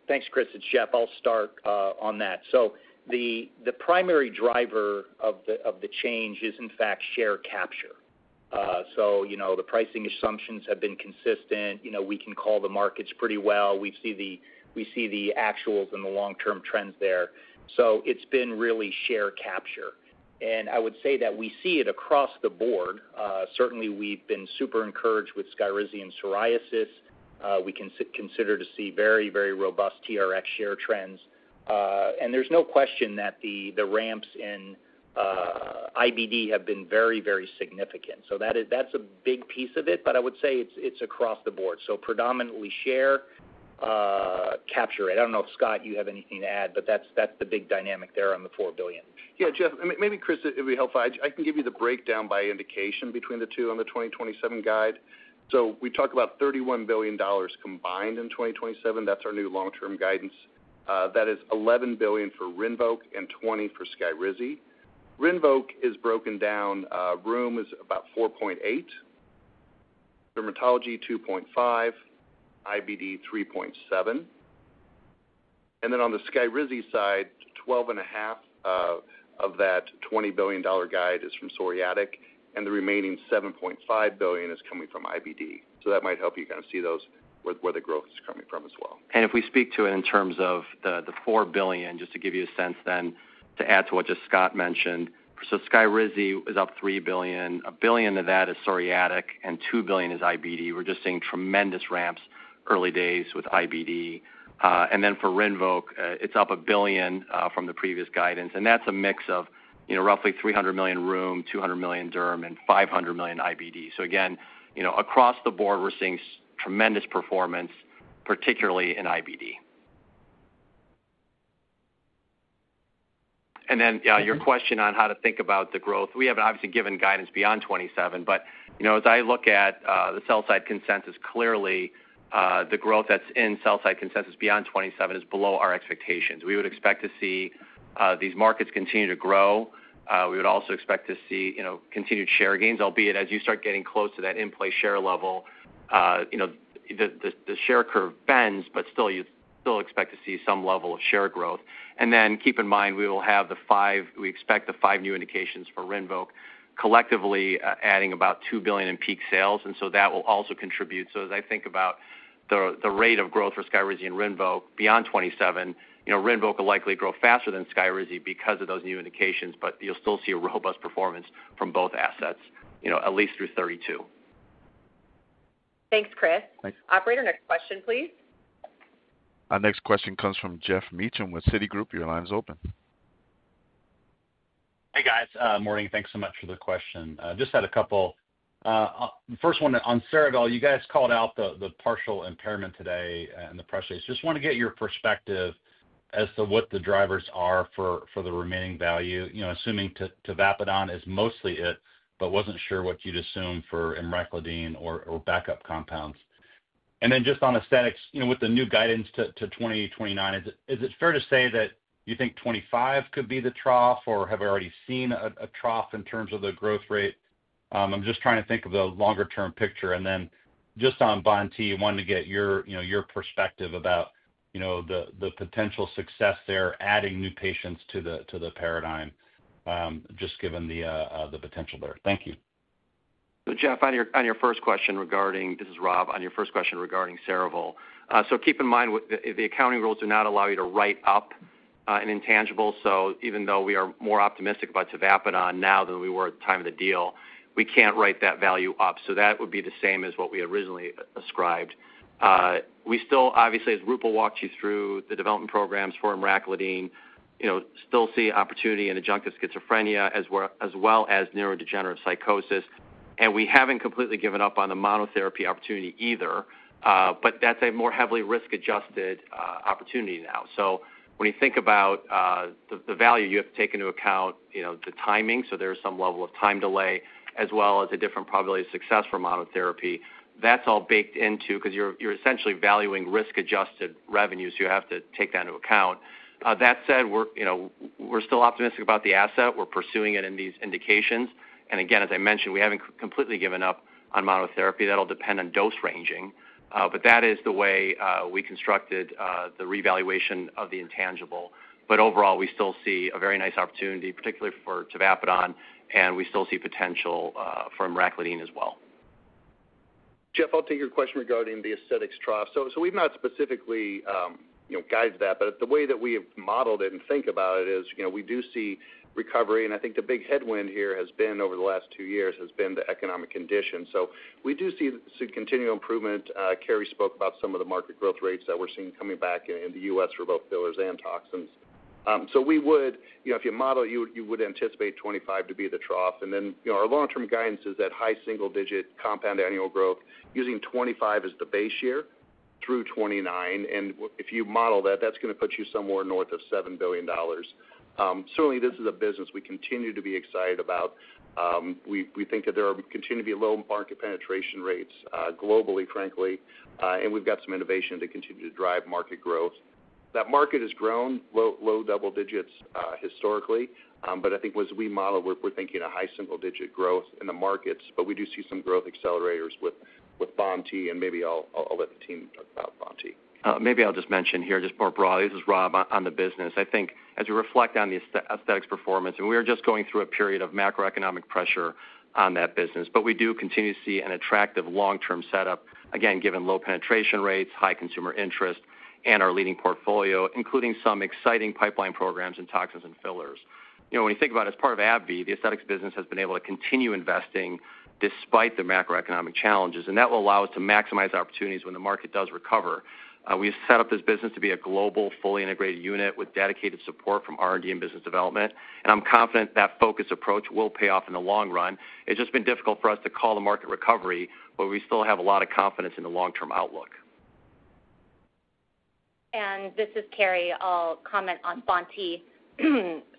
thanks, Chris and Jeff. I'll start on that. So the primary driver of the change is, in fact, share capture. So the pricing assumptions have been consistent. We can call the markets pretty well. We see the actuals and the long-term trends there. So it's been really share capture. And I would say that we see it across the board. Certainly, we've been super encouraged with Skyrizi and psoriasis. We continue to see very, very robust TRx share trends. There's no question that the ramps in IBD have been very, very significant. That's a big piece of it, but I would say it's across the board. Predominantly share capture. I don't know if Scott, you have anything to add, but that's the big dynamic there on the $4 billion. Yeah, Jeff, maybe, Chris, it would be helpful. I can give you the breakdown by indication between the two on the 2027 guide. We talk about $31 billion combined in 2027. That's our new long-term guidance. That is $11 billion for Rinvoq and $20 billion for Skyrizi. Rinvoq is broken down. Rheum is about $4.8 billion, Dermatology $2.5 billion, IBD $3.7 billion. Then on the Skyrizi side, $12.5 billion of that $20 billion guide is from psoriatic, and the remaining $7.5 billion is coming from IBD. That might help you kind of see those where the growth is coming from as well. And if we speak to it in terms of the $4 billion, just to give you a sense then, to add to what just Scott mentioned, so Skyrizi is up $3 billion. A billion of that is psoriatic, and $2 billion is IBD. We're just seeing tremendous ramps early days with IBD. And then for Rinvoq, it's up a billion from the previous guidance. And that's a mix of roughly $300 million rheum, $200 million derm, and $500 million IBD. So again, across the board, we're seeing tremendous performance, particularly in IBD. And then your question on how to think about the growth, we haven't obviously given guidance beyond 2027, but as I look at the sell-side consensus, clearly the growth that's in sell-side consensus beyond 2027 is below our expectations. We would expect to see these markets continue to grow. We would also expect to see continued share gains, albeit as you start getting close to that in-place share level, the share curve bends, but still you expect to see some level of share growth, and then keep in mind, we will have the five new indications we expect for Rinvoq collectively adding about $2 billion in peak sales, and so that will also contribute, so as I think about the rate of growth for Skyrizi and Rinvoq beyond 2027, Rinvoq will likely grow faster than Skyrizi because of those new indications, but you'll still see a robust performance from both assets, at least through 2032. Thanks, Chris. Operator, next question, please. Next question comes from Jeff Meacham with Citigroup. Your line is open. Hey, guys. Morning. Thanks so much for the question. Just had a couple. First one on Cerevel. You guys called out the partial impairment today and the pressures. Just want to get your perspective as to what the drivers are for the remaining value, assuming tavapadon is mostly it, but wasn't sure what you'd assume for emracladine or backup compounds. And then just on aesthetics, with the new guidance to 2029, is it fair to say that you think 2025 could be the trough, or have we already seen a trough in terms of the growth rate? I'm just trying to think of the longer-term picture. And then just on BoNT, wanted to get your perspective about the potential success there, adding new patients to the paradigm, just given the potential there. Thank you. Jeff, on your first question regarding this is Rob. On your first question regarding Cerevel. So keep in mind the accounting rules do not allow you to write up an intangible. So even though we are more optimistic about tavapadon now than we were at the time of the deal, we can't write that value up. So that would be the same as what we originally ascribed. We still, obviously, as Roopal walked you through the development programs for emracladine, still see opportunity in adjunctive schizophrenia as well as neurodegenerative psychosis. And we haven't completely given up on the monotherapy opportunity either, but that's a more heavily risk-adjusted opportunity now. So when you think about the value, you have to take into account the timing. So there's some level of time delay as well as a different probability of success for monotherapy. That's all baked into because you're essentially valuing risk-adjusted revenue. So you have to take that into account. That said, we're still optimistic about the asset. We're pursuing it in these indications. And again, as I mentioned, we haven't completely given up on monotherapy. That'll depend on dose ranging. But that is the way we constructed the revaluation of the intangible. But overall, we still see a very nice opportunity, particularly for tavapadon, and we still see potential for emraclidine as well. Jeff, I'll take your question regarding the aesthetics trough. So we've not specifically guided that, but the way that we have modeled it and think about it is we do see recovery. And I think the big headwind here over the last two years has been the economic conditions. So we do see continued improvement. Carrie spoke about some of the market growth rates that we're seeing coming back in the U.S. for both fillers and toxins. So we would, if you model it, you would anticipate 2025 to be the trough. And then our long-term guidance is that high single-digit compound annual growth using 2025 as the base year through 2029. And if you model that, that's going to put you somewhere north of $7 billion. Certainly, this is a business we continue to be excited about. We think that there continue to be low market penetration rates globally, frankly, and we've got some innovation to continue to drive market growth. That market has grown low double-digits historically, but I think as we model, we're thinking a high single-digit growth in the markets. But we do see some growth accelerators with BoNT/E, and maybe I'll let the team talk about BoNT/E. Maybe I'll just mention here just more broadly. This is Rob on the business. I think as we reflect on the aesthetics performance, and we are just going through a period of macroeconomic pressure on that business, but we do continue to see an attractive long-term setup, again, given low penetration rates, high consumer interest, and our leading portfolio, including some exciting pipeline programs in toxins and fillers. When you think about it, as part of AbbVie, the aesthetics business has been able to continue investing despite the macroeconomic challenges, and that will allow us to maximize opportunities when the market does recover. We have set up this business to be a global, fully integrated unit with dedicated support from R&D and business development. And I'm confident that focused approach will pay off in the long run. It's just been difficult for us to call the market recovery, but we still have a lot of confidence in the long-term outlook. And this is Carrie. I'll comment on BoNT,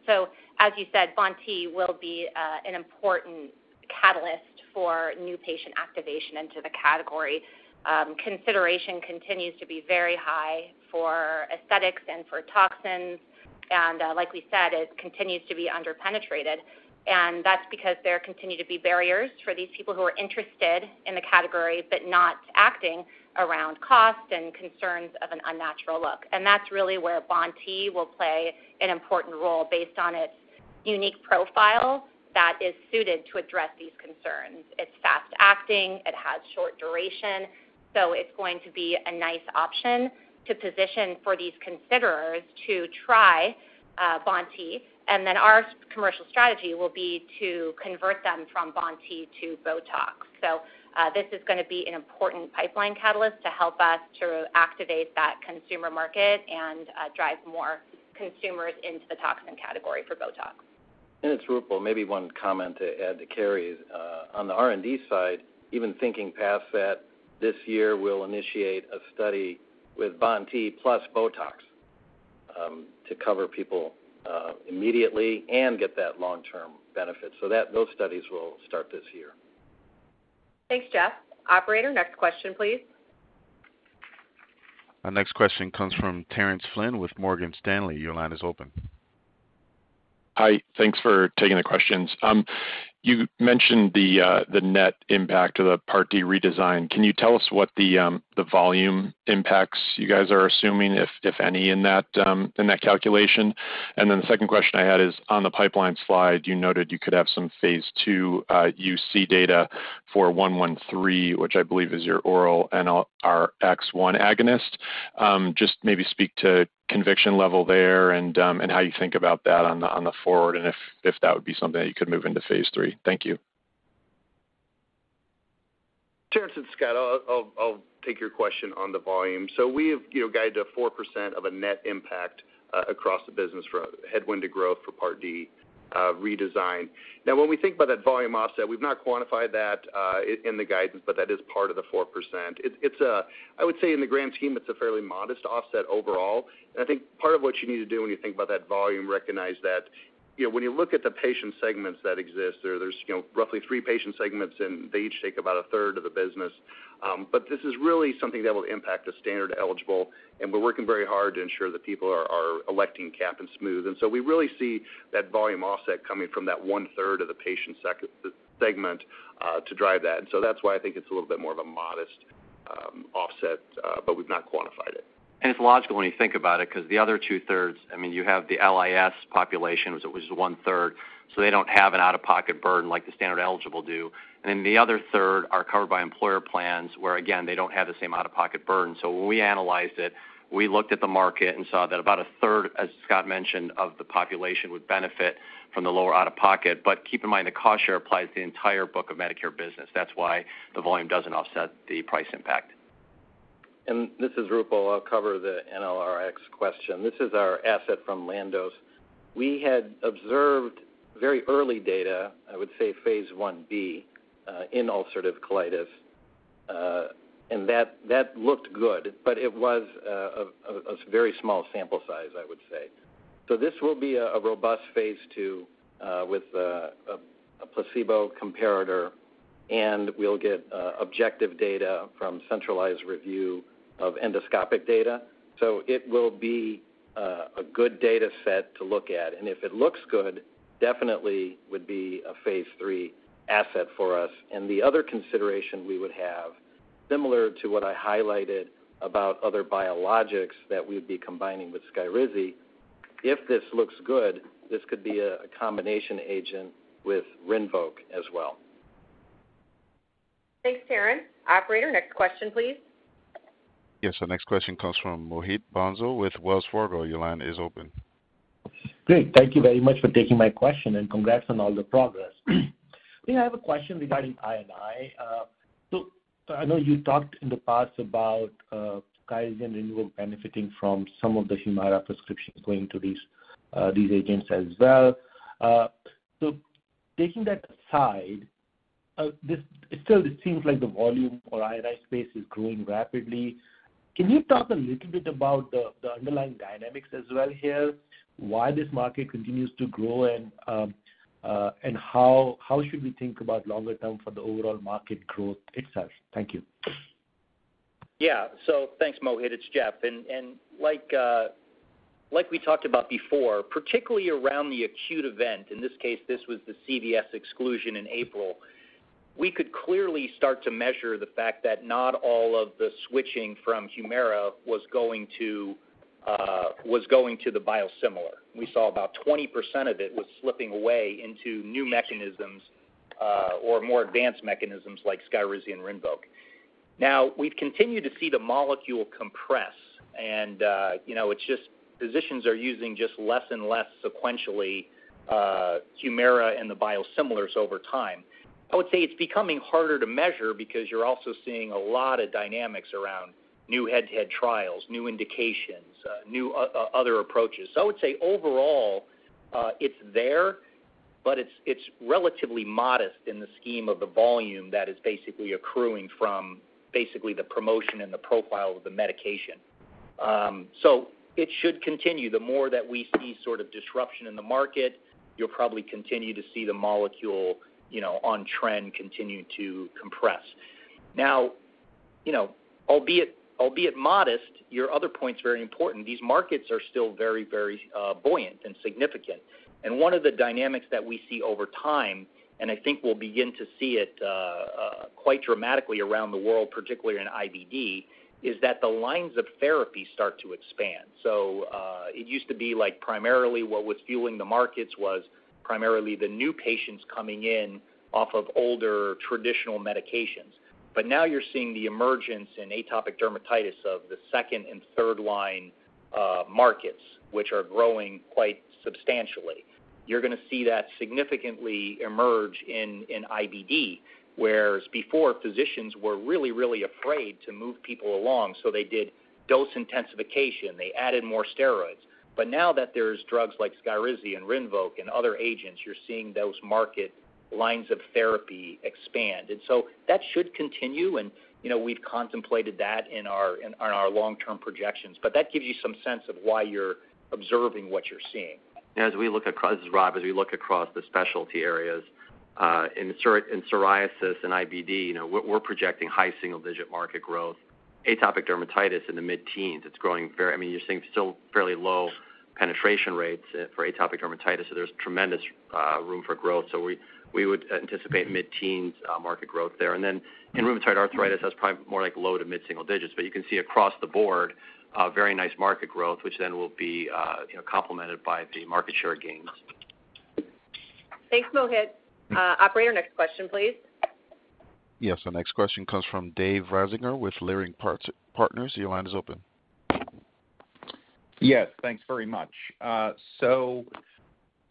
so as you said, BoNT will be an important catalyst for new patient activation into the category. Consideration continues to be very high for aesthetics and for toxins, and like we said, it continues to be underpenetrated, and that's because there continue to be barriers for these people who are interested in the category but not acting around cost and concerns of an unnatural look, and that's really where BoNT will play an important role based on its unique profile that is suited to address these concerns. It's fast-acting. It has short duration, so it's going to be a nice option to position for these considerers to try BoNT, and then our commercial strategy will be to convert them from BoNT to Botox. So this is going to be an important pipeline catalyst to help us to activate that consumer market and drive more consumers into the toxin category for Botox. And it's Roopal. Maybe one comment to add to Carrie's on the R&D side, even thinking past that this year, we'll initiate a study with BoNT plus Botox to cover people immediately and get that long-term benefit. So those studies will start this year. Thanks, Jeff. Operator, next question, please. Next question comes from Terence Flynn with Morgan Stanley. Your line is open. Hi. Thanks for taking the questions. You mentioned the net impact of the Part D redesign. Can you tell us what the volume impacts you guys are assuming, if any, in that calculation? Then the second question I had is on the pipeline slide. You noted you could have some Phase II UC data for NX-13, which I believe is your oral NLRX1 agonist. Just maybe speak to conviction level there and how you think about that going forward and if that would be something that you could move into Phase III. Thank you. Terence, it's Scott, I'll take your question on the volume. We have guided to 4% of a net impact across the business for headwind to growth for Part D redesign. Now, when we think about that volume offset, we've not quantified that in the guidance, but that is part of the 4%. I would say in the grand scheme, it's a fairly modest offset overall. I think part of what you need to do when you think about that volume, recognize that when you look at the patient segments that exist, there's roughly three patient segments, and they each take about a third of the business. But this is really something that will impact a standard eligible. And we're working very hard to ensure that people are electing cap and smooth. And so we really see that volume offset coming from that one-third of the patient segment to drive that. And so that's why I think it's a little bit more of a modest offset, but we've not quantified it. And it's logical when you think about it because the other two-thirds, I mean, you have the LIS population, which is one-third. So they don't have an out-of-pocket burden like the standard eligible do. Then the other third are covered by employer plans where, again, they don't have the same out-of-pocket burden. So when we analyzed it, we looked at the market and saw that about a third, as Scott mentioned, of the population would benefit from the lower out-of-pocket. But keep in mind, the cost share applies to the entire book of Medicare business. That's why the volume doesn't offset the price impact. This is Roopal. I'll cover the NLRX question. This is our asset from Landos. We had observed very early data, I would say Phase 1b in ulcerative colitis. That looked good, but it was a very small sample size, I would say. So this will be a robust Phase 2 with a placebo comparator, and we'll get objective data from centralized review of endoscopic data. So it will be a good data set to look at. And if it looks good, definitely would be a Phase III asset for us. And the other consideration we would have, similar to what I highlighted about other biologics that we would be combining with Skyrizi, if this looks good, this could be a combination agent with Rinvoq as well. Thanks, Terence. Operator, next question, please. Yes. Our next question comes from Mohit Bansal with Wells Fargo. Your line is open. Great. Thank you very much for taking my question and congrats on all the progress. I have a question regarding I&I. So I know you talked in the past about Skyrizi and Rinvoq benefiting from some of the Humira prescriptions going to these agents as well. So taking that aside, still, it seems like the volume or I&I space is growing rapidly. Can you talk a little bit about the underlying dynamics as well here, why this market continues to grow, and how should we think about longer term for the overall market growth itself? Thank you. Yeah. So thanks, Mohit. It's Jeff. And like we talked about before, particularly around the acute event, in this case, this was the CVS exclusion in April, we could clearly start to measure the fact that not all of the switching from Humira was going to the biosimilar. We saw about 20% of it was slipping away into new mechanisms or more advanced mechanisms like Skyrizi and Rinvoq. Now, we've continued to see the molecule compress, and it's just physicians are using just less and less sequentially Humira and the biosimilars over time. I would say it's becoming harder to measure because you're also seeing a lot of dynamics around new head-to-head trials, new indications, new other approaches. So I would say overall, it's there, but it's relatively modest in the scheme of the volume that is basically accruing from the promotion and the profile of the medication. So it should continue. The more that we see sort of disruption in the market, you'll probably continue to see the molecule on trend continue to compress. Now, albeit modest, your other point's very important. These markets are still very, very buoyant and significant, and one of the dynamics that we see over time, and I think we'll begin to see it quite dramatically around the world, particularly in IBD, is that the lines of therapy start to expand. It used to be like primarily what was fueling the markets was primarily the new patients coming in off of older traditional medications. But now you're seeing the emergence in atopic dermatitis of the second and third line markets, which are growing quite substantially. You're going to see that significantly emerge in IBD, whereas before physicians were really, really afraid to move people along. So they did dose intensification. They added more steroids. But now that there's drugs like Skyrizi and Rinvoq and other agents, you're seeing those market lines of therapy expand. And so that should continue. And we've contemplated that in our long-term projections. But that gives you some sense of why you're observing what you're seeing. As we look across, this is Rob, as we look across the specialty areas in psoriasis and IBD, we're projecting high single-digit market growth. Atopic dermatitis in the mid-teens, it's growing very, I mean, you're seeing still fairly low penetration rates for atopic dermatitis. So there's tremendous room for growth. So we would anticipate mid-teens market growth there. And then in rheumatoid arthritis, that's probably more like low to mid-single digits. But you can see across the board, very nice market growth, which then will be complemented by market share gains. Thanks, Mohit. Operator, next question, please. Yes. Our next question comes from Dave Risinger with Leerink Partners. Your line is open. Yes. Thanks very much. So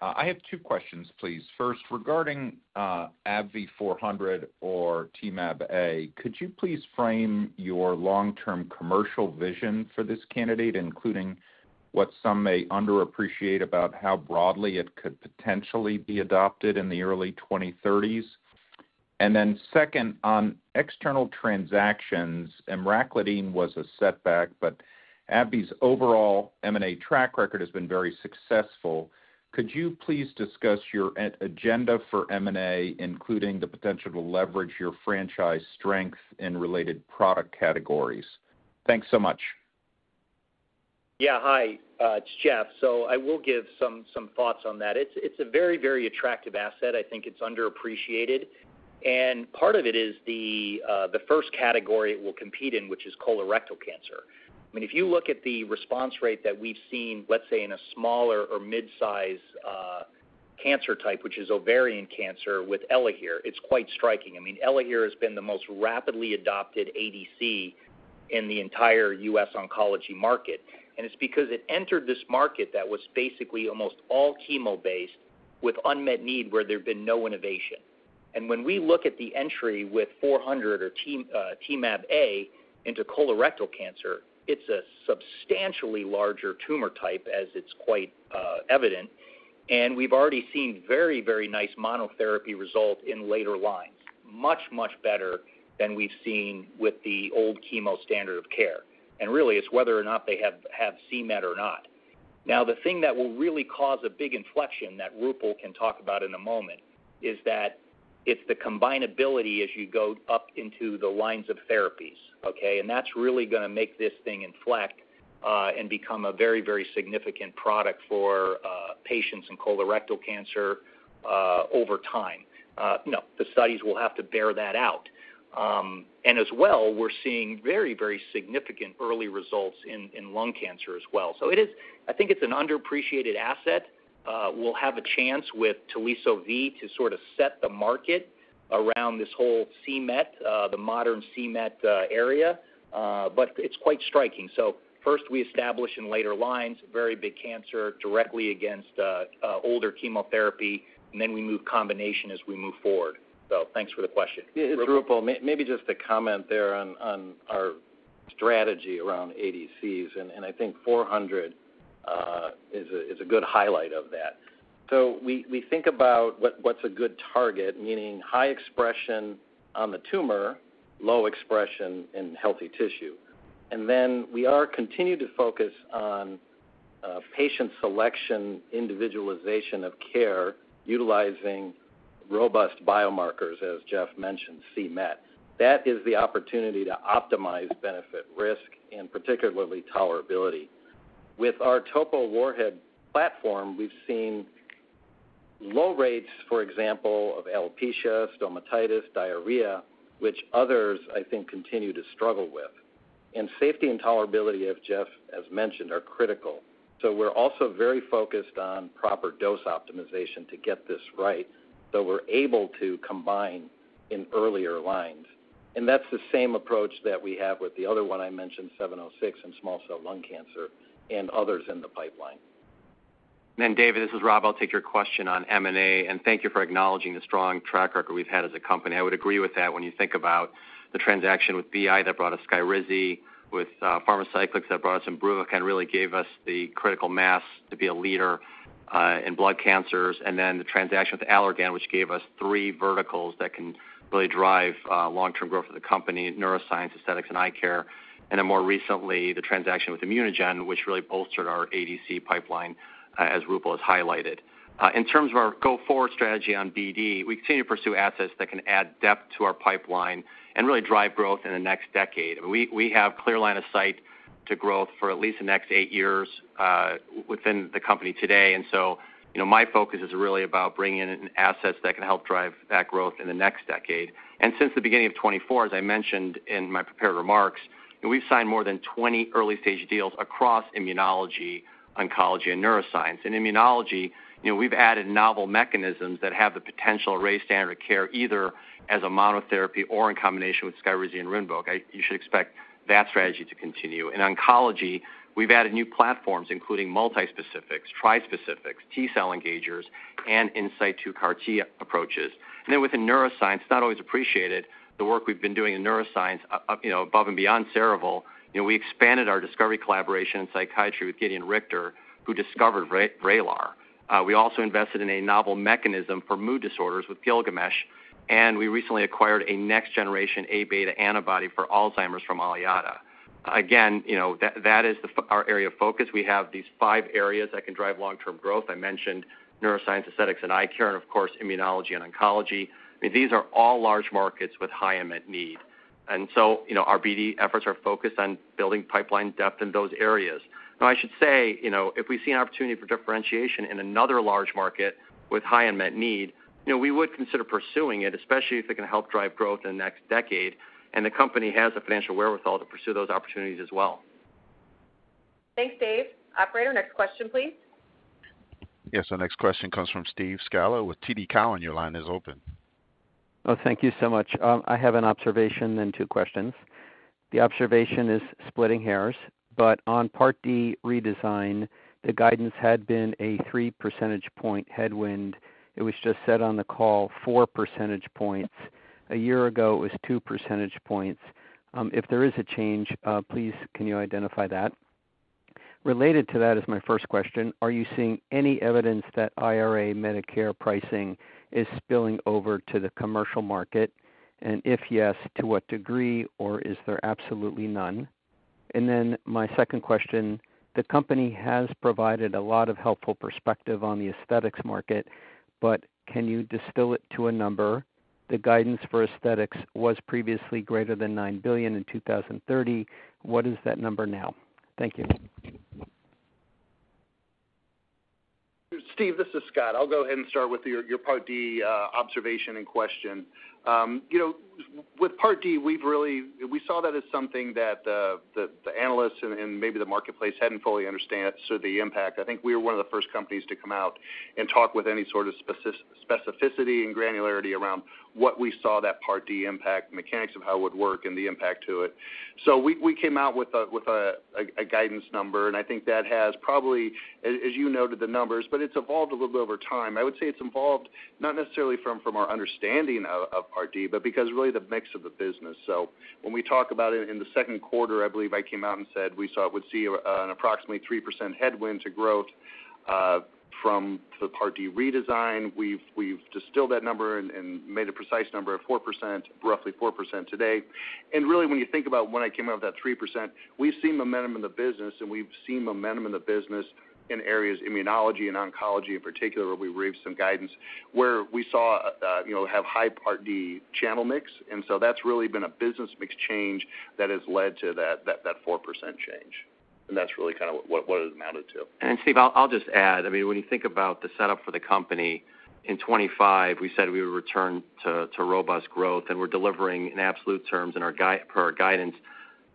I have two questions, please. First, regarding AbbVie 400 or TMAbA, could you please frame your long-term commercial vision for this candidate, including what some may underappreciate about how broadly it could potentially be adopted in the early 2030s? And then second, on external transactions, emracladine was a setback, but AbbVie's overall M&A track record has been very successful. Could you please discuss your agenda for M&A, including the potential to leverage your franchise strength in related product categories? Thanks so much. Yeah. Hi. It's Jeff. So I will give some thoughts on that. It's a very, very attractive asset. I think it's underappreciated. And part of it is the first category it will compete in, which is colorectal cancer. I mean, if you look at the response rate that we've seen, let's say, in a smaller or mid-size cancer type, which is ovarian cancer with Elahere, it's quite striking. I mean, Elahere has been the most rapidly adopted ADC in the entire U.S. oncology market. And it's because it entered this market that was basically almost all chemo-based with unmet need where there had been no innovation. And when we look at the entry with 400 or TMAbA into colorectal cancer, it's a substantially larger tumor type, as it's quite evident. We've already seen very, very nice monotherapy result in later lines, much, much better than we've seen with the old chemo standard of care. Really, it's whether or not they have c-Met or not. Now, the thing that will really cause a big inflection that Roopal can talk about in a moment is that it's the combinability as you go up into the lines of therapies, okay? That's really going to make this thing inflect and become a very, very significant product for patients in colorectal cancer over time. No, the studies will have to bear that out. As well, we're seeing very, very significant early results in lung cancer as well. I think it's an underappreciated asset. We'll have a chance with Teliso-V to sort of set the market around this whole c-Met, the modern c-Met area, but it's quite striking, so first, we establish in later lines, very big advance directly against older chemotherapy, and then we move to combination as we move forward, so thanks for the question, yeah, it's Roopal. Maybe just a comment there on our strategy around ADCs, and I think 400 is a good highlight of that, so we think about what's a good target, meaning high expression on the tumor, low expression in healthy tissue, and then we are continuing to focus on patient selection, individualization of care, utilizing robust biomarkers, as Jeff mentioned, c-Met. That is the opportunity to optimize benefit-risk and particularly tolerability. With our topo warhead platform, we've seen low rates, for example, of alopecia, stomatitis, diarrhea, which others, I think, continue to struggle with. Safety and tolerability, as Jeff has mentioned, are critical. We're also very focused on proper dose optimization to get this right, so we're able to combine in earlier lines. That's the same approach that we have with the other one I mentioned, 706, in small cell lung cancer and others in the pipeline. David, this is Rob. I'll take your question on M&A. Thank you for acknowledging the strong track record we've had as a company. I would agree with that. When you think about the transaction with BI that brought us Skyrizi, with Pharmacyclics that brought us Imbruvica, and really gave us the critical mass to be a leader in blood cancers. The transaction with Allergan, which gave us three verticals that can really drive long-term growth of the company: neuroscience, aesthetics, and eye care. Then more recently, the transaction with ImmunoGen, which really bolstered our ADC pipeline, as Roopal has highlighted. In terms of our go-forward strategy on BD, we continue to pursue assets that can add depth to our pipeline and really drive growth in the next decade. We have a clear line of sight to growth for at least the next eight years within the company today. And so my focus is really about bringing in assets that can help drive that growth in the next decade. And since the beginning of 2024, as I mentioned in my prepared remarks, we've signed more than 20 early-stage deals across immunology, oncology, and neuroscience. In immunology, we've added novel mechanisms that have the potential to raise standard of care either as a monotherapy or in combination with Skyrizi and Rinvoq. You should expect that strategy to continue. In oncology, we've added new platforms, including multi-specifics, tri-specifics, T-cell engagers, and in situ CAR-T approaches, and then within neuroscience, it's not always appreciated the work we've been doing in neuroscience above and beyond Cerevel. We expanded our discovery collaboration in psychiatry with Gedeon Richter, who discovered Vraylar. We also invested in a novel mechanism for mood disorders with Gilgamesh, and we recently acquired a next-generation A-beta antibody for Alzheimer's from Aliada. Again, that is our area of focus. We have these five areas that can drive long-term growth. I mentioned neuroscience, aesthetics, and eye care, and of course, immunology and oncology. I mean, these are all large markets with high unmet need, and so our BD efforts are focused on building pipeline depth in those areas. Now, I should say, if we see an opportunity for differentiation in another large market with high unmet need, we would consider pursuing it, especially if it can help drive growth in the next decade. And the company has a financial wherewithal to pursue those opportunities as well. Thanks, Dave. Operator, next question, please. Yes. Our next question comes from Steve Scala with TD Cowen. Your line is open. Oh, thank you so much. I have an observation and two questions. The observation is splitting hairs. But on Part D redesign, the guidance had been a 3 percentage point headwind. It was just said on the call, 4 percentage points. A year ago, it was 2 percentage points. If there is a change, please, can you identify that? Related to that is my first question. Are you seeing any evidence that IRA Medicare pricing is spilling over to the commercial market? And if yes, to what degree, or is there absolutely none? And then my second question, the company has provided a lot of helpful perspective on the aesthetics market, but can you distill it to a number? The guidance for aesthetics was previously greater than $9 billion in 2030. What is that number now? Thank you. Steve, this is Scott. I'll go ahead and start with your Part D observation and question. With Part D, we saw that as something that the analysts and maybe the marketplace hadn't fully understood the impact. I think we were one of the first companies to come out and talk with any sort of specificity and granularity around what we saw that Part D impact, mechanics of how it would work, and the impact to it. So we came out with a guidance number. And I think that has probably, as you noted the numbers, but it's evolved a little bit over time. I would say it's evolved not necessarily from our understanding of Part D, but because really the mix of the business. So when we talk about it in the second quarter, I believe I came out and said we saw it would see an approximately 3% headwind to growth from the Part D redesign. We've distilled that number and made a precise number of 4%, roughly 4% today. And really, when you think about when I came out with that 3%, we've seen momentum in the business, and we've seen momentum in the business in areas of immunology and oncology in particular, where we raised some guidance, where we have high Part D channel mix. And so that's really been a business mix change that has led to that 4% change. And that's really kind of what it amounted to. And Steve, I'll just add. I mean, when you think about the setup for the company, in 2025, we said we would return to robust growth. And we're delivering in absolute terms and per our guidance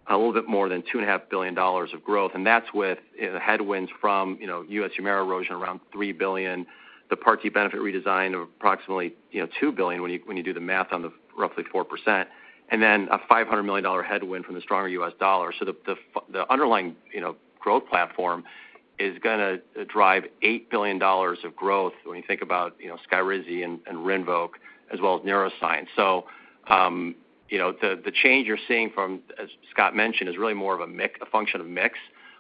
a little bit more than $2.5 billion of growth. And that's with headwinds from U.S. Humira erosion around $3 billion, the Part D benefit redesign of approximately $2 billion when you do the math on the roughly 4%, and then a $500 million headwind from the stronger U.S. dollar. So the underlying growth platform is going to drive $8 billion of growth when you think about Skyrizi and Rinvoq, as well as neuroscience. So the change you're seeing from, as Scott mentioned, is really more of a function of mix.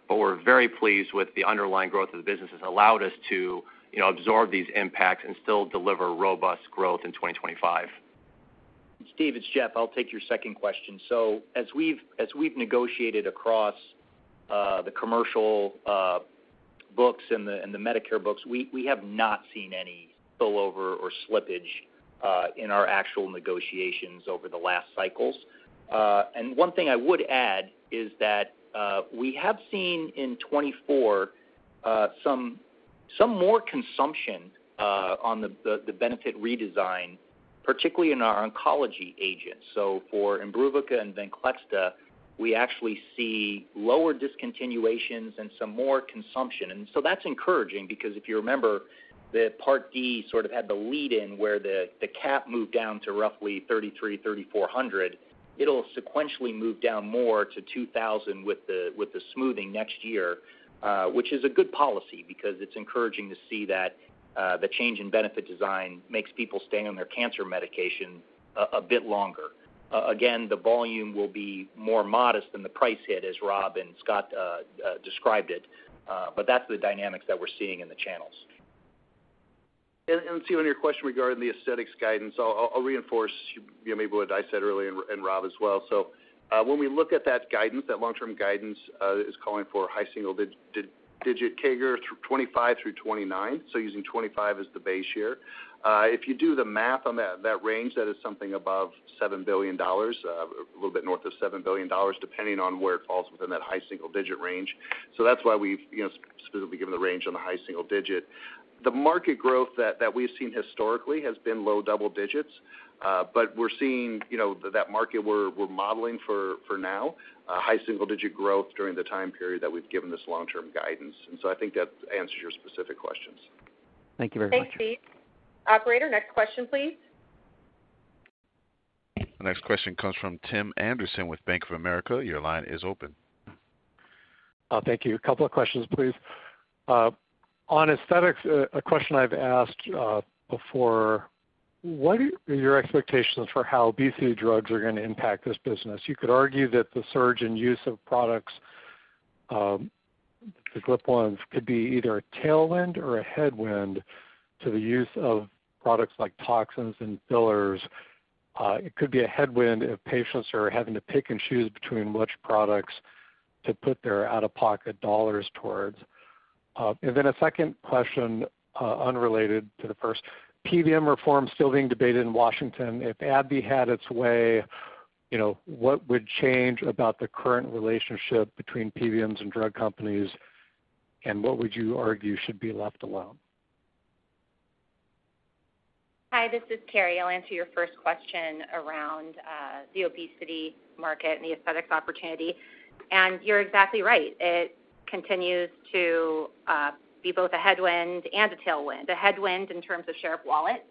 But we're very pleased with the underlying growth of the business. It's allowed us to absorb these impacts and still deliver robust growth in 2025. Steve, it's Jeff. I'll take your second question. So as we've negotiated across the commercial books and the Medicare books, we have not seen any spillover or slippage in our actual negotiations over the last cycles. And one thing I would add is that we have seen in 2024 some more consumption on the benefit redesign, particularly in our oncology agents. So for Imbruvica and Venclexta, we actually see lower discontinuations and some more consumption. And so that's encouraging because if you remember, the Part D sort of had the lead-in where the cap moved down to roughly 3,300, 3,400. It'll sequentially move down more to 2,000 with the smoothing next year, which is a good policy because it's encouraging to see that the change in benefit design makes people stay on their cancer medication a bit longer. Again, the volume will be more modest than the price hit, as Rob and Scott described it, but that's the dynamics that we're seeing in the channels, and Steve, on your question regarding the aesthetics guidance, I'll reinforce maybe what I said earlier and Rob as well, so when we look at that guidance, that long-term guidance is calling for high single-digit CAGR 2025 through 2029, using 2025 as the base year. If you do the math on that range, that is something above $7 billion, a little bit north of $7 billion, depending on where it falls within that high single-digit range. So that's why we've specifically given the range on the high single-digit. The market growth that we've seen historically has been low double-digits. But we're seeing that market we're modeling for now, high single-digit growth during the time period that we've given this long-term guidance. And so I think that answers your specific questions. Thank you very much. Thanks, Steve. Operator, next question, please. The next question comes from Tim Anderson with Bank of America. Your line is open. Thank you. A couple of questions, please. On aesthetics, a question I've asked before, what are your expectations for how GLP drugs are going to impact this business? You could argue that the surge in use of products, the GLP ones, could be either a tailwind or a headwind to the use of products like toxins and fillers. It could be a headwind if patients are having to pick and choose between which products to put their out-of-pocket dollars towards. And then a second question unrelated to the first. PBM reform still being debated in Washington. If AbbVie had its way, what would change about the current relationship between PBMs and drug companies, and what would you argue should be left alone? Hi, this is Carrie. I'll answer your first question around the obesity market and the aesthetics opportunity. And you're exactly right. It continues to be both a headwind and a tailwind. A headwind in terms of share-of-wallet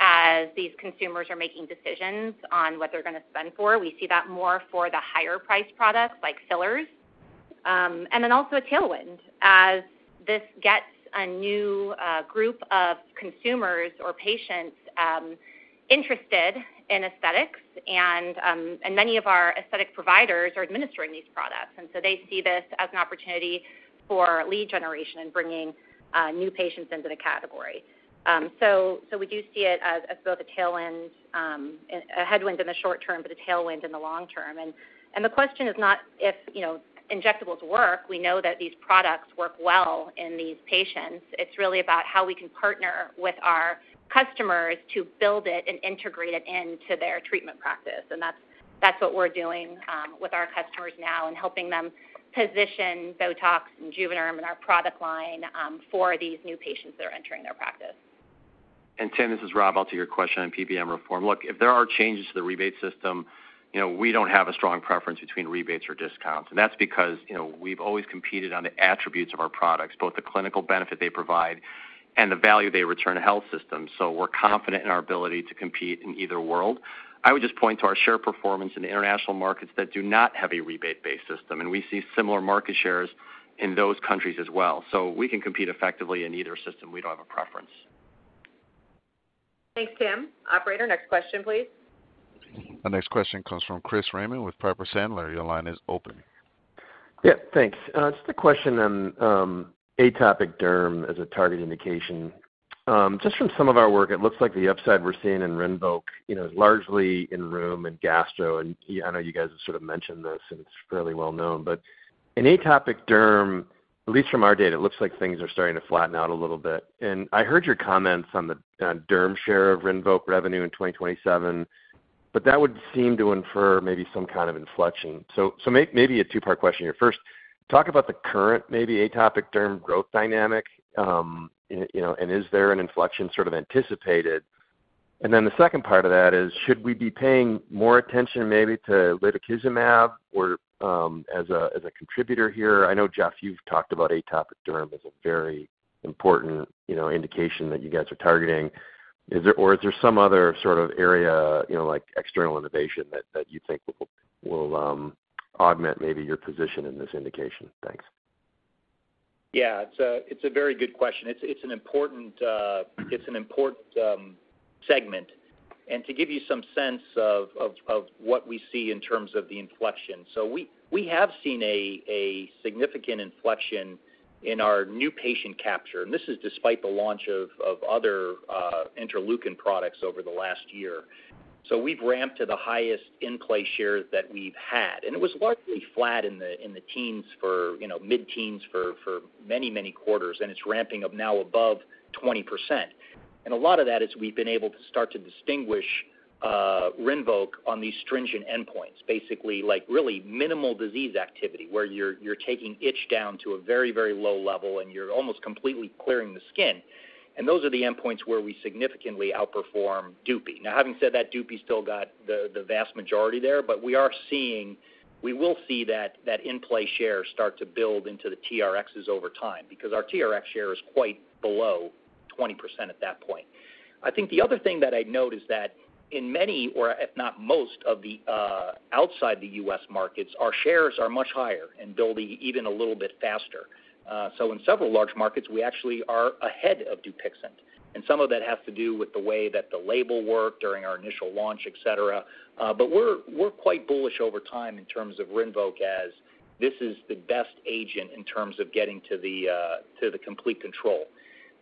as these consumers are making decisions on what they're going to spend for. We see that more for the higher-priced products like fillers. And then also a tailwind as this gets a new group of consumers or patients interested in aesthetics. And many of our aesthetic providers are administering these products. And so they see this as an opportunity for lead generation and bringing new patients into the category. So we do see it as both a tailwind, a headwind in the short term, but a tailwind in the long term. And the question is not if injectables work. We know that these products work well in these patients. It's really about how we can partner with our customers to build it and integrate it into their treatment practice. And that's what we're doing with our customers now and helping them position Botox and Juvéderm in our product line for these new patients that are entering their practice. And Tim, this is Rob. I'll take your question on PBM reform. Look, if there are changes to the rebate system, we don't have a strong preference between rebates or discounts. And that's because we've always competed on the attributes of our products, both the clinical benefit they provide and the value they return to health systems. So we're confident in our ability to compete in either world. I would just point to our share performance in the international markets that do not have a rebate-based system. And we see similar market shares in those countries as well. So we can compete effectively in either system. We don't have a preference. Thanks, Tim. Operator, next question, please. The next question comes from Chris Raymond with Piper Sandler. Your line is open. Yeah. Thanks. Just a question on atopic derm as a target indication. Just from some of our work, it looks like the upside we're seeing in Rinvoq is largely in rheum and gastro. And I know you guys have sort of mentioned this, and it's fairly well known. But in atopic derm, at least from our data, it looks like things are starting to flatten out a little bit. And I heard your comments on the derm share of Rinvoq revenue in 2027, but that would seem to infer maybe some kind of inflection. So maybe a two-part question here. First, talk about the current maybe atopic derm growth dynamic, and is there an inflection sort of anticipated? And then the second part of that is, should we be paying more attention maybe to lutikizumab as a contributor here? I know, Jeff, you've talked about atopic derm as a very important indication that you guys are targeting. Or is there some other sort of area like external innovation that you think will augment maybe your position in this indication? Thanks. Yeah. It's a very good question. It's an important segment. To give you some sense of what we see in terms of the inflection. So we have seen a significant inflection in our new patient capture. This is despite the launch of other interleukin products over the last year. We've ramped to the highest in-place share that we've had. It was largely flat in the teens, mid-teens for many, many quarters. It's ramping up now above 20%. A lot of that is we've been able to start to distinguish Rinvoq on these stringent endpoints, basically like really minimal disease activity where you're taking itch down to a very, very low level, and you're almost completely clearing the skin. Those are the endpoints where we significantly outperform Dupixent. Now, having said that, Dupixent still got the vast majority there. But we will see that in-place share start to build into the TRxs over time because our TRx share is quite below 20% at that point. I think the other thing that I'd note is that in many, or if not most, of the outside the U.S. markets, our shares are much higher and building even a little bit faster. So in several large markets, we actually are ahead of Dupixent. And some of that has to do with the way that the label worked during our initial launch, etc. But we're quite bullish over time in terms of Rinvoq as this is the best agent in terms of getting to the complete control.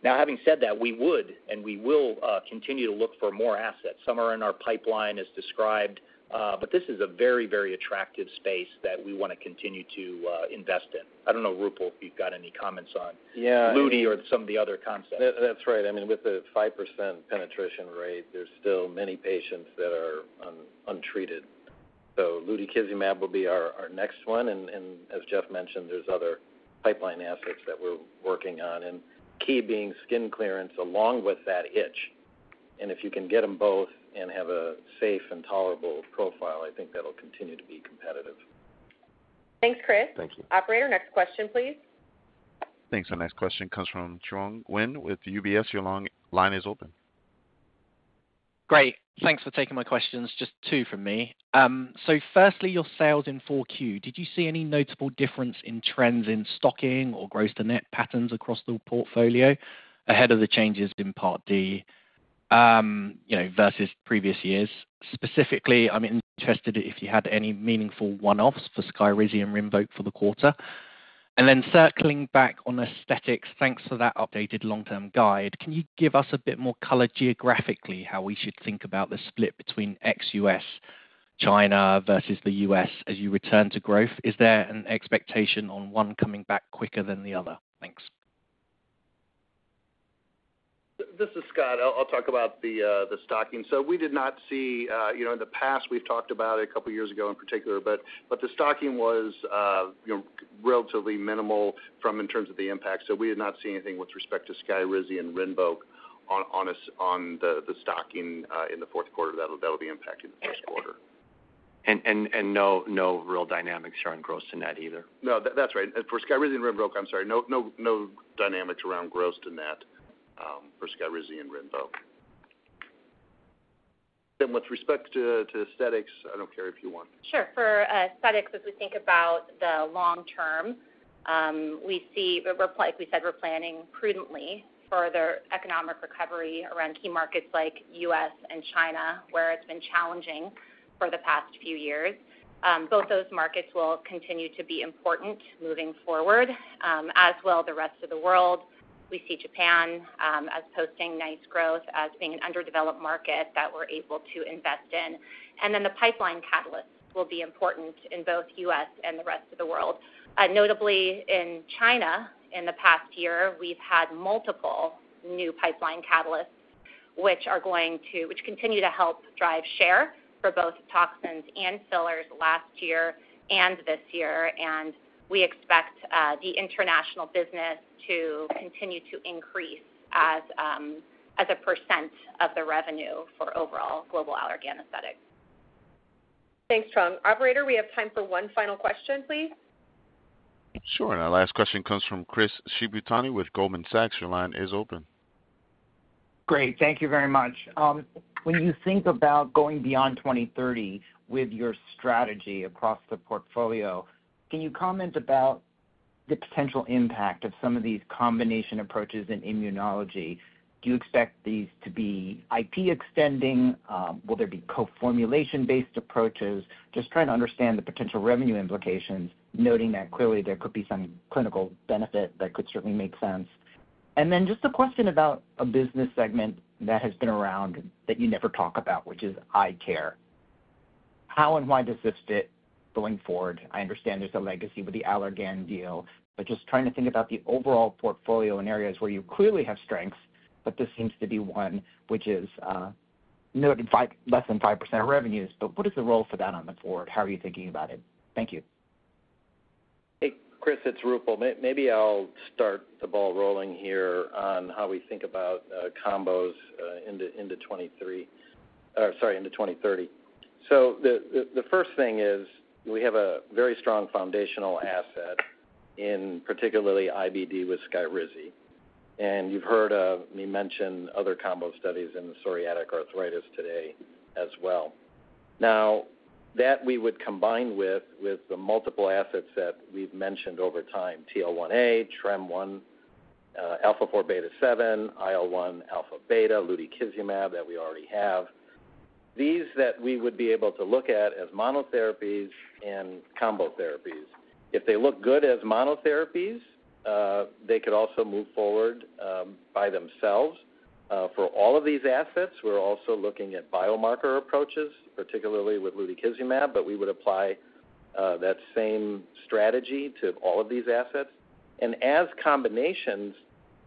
Now, having said that, we would and we will continue to look for more assets. Some are in our pipeline as described. But this is a very, very attractive space that we want to continue to invest in. I don't know, Roopal, if you've got any comments on lutikizumab or some of the other concepts. That's right. I mean, with the 5% penetration rate, there's still many patients that are untreated. So lutikizumab will be our next one. And as Jeff mentioned, there's other pipeline assets that we're working on, and key being skin clearance along with that itch. And if you can get them both and have a safe and tolerable profile, I think that'll continue to be competitive. Thanks, Chris. Operator, next question, please. Thanks. The next question comes from Trung Nguyen with UBS. Your line is open. Great. Thanks for taking my questions. Just two from me. So firstly, your sales in 4Q, did you see any notable difference in trends in stocking or gross-to-net patterns across the portfolio ahead of the changes in Part D versus previous years? Specifically, I'm interested if you had any meaningful one-offs for Skyrizi and Rinvoq for the quarter. And then circling back on aesthetics, thanks for that updated long-term guide. Can you give us a bit more color geographically how we should think about the split between ex-U.S., China, versus the U.S. as you return to growth? Is there an expectation on one coming back quicker than the other? Thanks. This is Scott. I'll talk about the stocking. So we did not see in the past, we've talked about it a couple of years ago in particular. But the stocking was relatively minimal in terms of the impact. So we did not see anything with respect to Skyrizi and Rinvoq on the stocking in the fourth quarter. That'll be impacting the first quarter. And no real dynamics around gross-to-net either. No, that's right. For Skyrizi and Rinvoq, I'm sorry, no dynamics around gross-to-net for Skyrizi and Rinvoq. And with respect to aesthetics, I don't care if you want. Sure. For aesthetics, as we think about the long term, we see, like we said, we're planning prudently for the economic recovery around key markets like U.S. and China, where it's been challenging for the past few years. Both those markets will continue to be important moving forward, as will the rest of the world. We see Japan as posting nice growth as being an underdeveloped market that we're able to invest in. And then the pipeline catalysts will be important in both U.S. and the rest of the world. Notably, in China, in the past year, we've had multiple new pipeline catalysts which continue to help drive share for both toxins and fillers last year and this year. We expect the international business to continue to increase as a percent of the revenue for overall global Allergan Aesthetics. Thanks, Trung. Operator, we have time for one final question, please. Sure. Our last question comes from Chris Shibitani with Goldman Sachs. Your line is open. Great. Thank you very much. When you think about going beyond 2030 with your strategy across the portfolio, can you comment about the potential impact of some of these combination approaches in immunology? Do you expect these to be IP extending? Will there be co-formulation-based approaches? Just trying to understand the potential revenue implications, noting that clearly there could be some clinical benefit that could certainly make sense. Then just a question about a business segment that has been around that you never talk about, which is eye care. How and why does this fit going forward? I understand there's a legacy with the Allergan deal, but just trying to think about the overall portfolio in areas where you clearly have strengths, but this seems to be one which is less than 5% of revenues. But what is the role for that on the board? How are you thinking about it? Thank you. Hey, Chris, it's Roopal. Maybe I'll start the ball rolling here on how we think about combos into 2030. So the first thing is we have a very strong foundational asset, particularly IBD with Skyrizi. And you've heard me mention other combo studies in psoriatic arthritis today as well. Now, that we would combine with the multiple assets that we've mentioned over time, TL1A, TREM-1, Alpha-4, Beta-7, IL-1, alpha beta, lutikizumab that we already have, these that we would be able to look at as monotherapies and combo therapies. If they look good as monotherapies, they could also move forward by themselves. For all of these assets, we're also looking at biomarker approaches, particularly with lutikizumab, but we would apply that same strategy to all of these assets. And as combinations,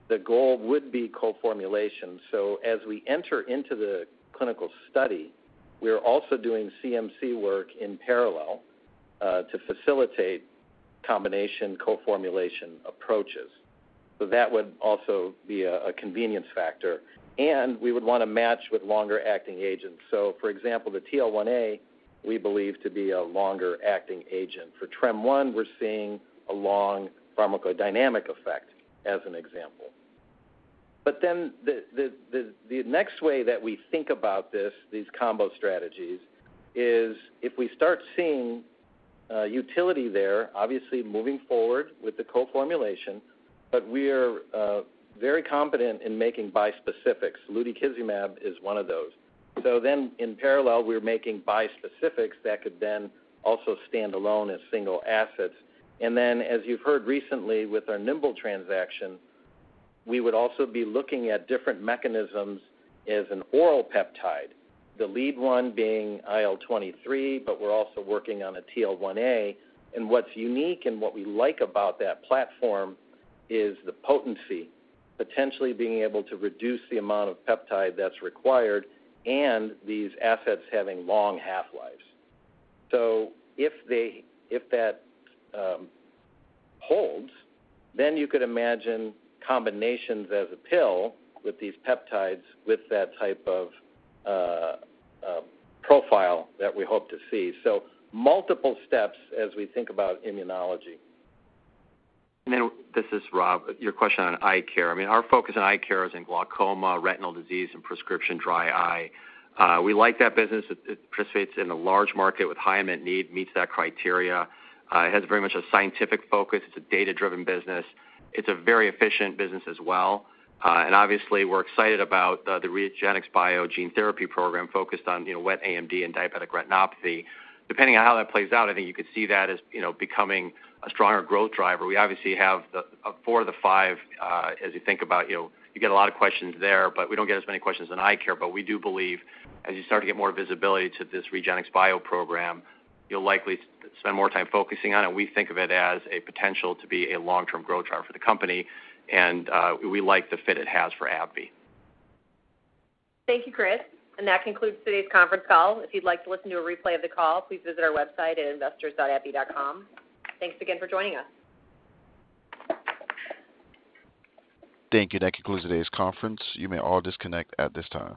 the goal would be co-formulation. So as we enter into the clinical study, we're also doing CMC work in parallel to facilitate combination co-formulation approaches. So that would also be a convenience factor. And we would want to match with longer-acting agents. So for example, the TL1A we believe to be a longer-acting agent. For TREM1, we're seeing a long pharmacodynamic effect as an example. But then the next way that we think about these combo strategies is if we start seeing utility there, obviously moving forward with the co-formulation, but we're very competent in making bispecifics. lutikizumab is one of those. So then, in parallel, we're making bispecifics that could then also stand alone as single assets. And then, as you've heard recently with our Nimble transaction, we would also be looking at different mechanisms as an oral peptide, the lead one being IL-23, but we're also working on a TL1A. And what's unique and what we like about that platform is the potency, potentially being able to reduce the amount of peptide that's required and these assets having long half-lives. So if that holds, then you could imagine combinations as a pill with these peptides with that type of profile that we hope to see. So multiple steps as we think about immunology. And then this is Rob. Your question on eye care. I mean, our focus on eye care is in glaucoma, retinal disease, and prescription dry eye. We like that business. It participates in a large market with high unmet need, meets that criteria. It has very much a scientific focus. It's a data-driven business. It's a very efficient business as well, and obviously, we're excited about the REGENXBIO gene therapy program focused on wet AMD and diabetic retinopathy. Depending on how that plays out, I think you could see that as becoming a stronger growth driver. We obviously have four of the five as you think about. You get a lot of questions there, but we don't get as many questions on eye care, but we do believe as you start to get more visibility to this REGENXBIO program, you'll likely spend more time focusing on it. We think of it as a potential to be a long-term growth driver for the company, and we like the fit it has for AbbVie. Thank you, Chris. That concludes today's conference call. If you'd like to listen to a replay of the call, please visit our website at investors.abbvie.com. Thanks again for joining us. Thank you. That concludes today's conference. You may all disconnect at this time.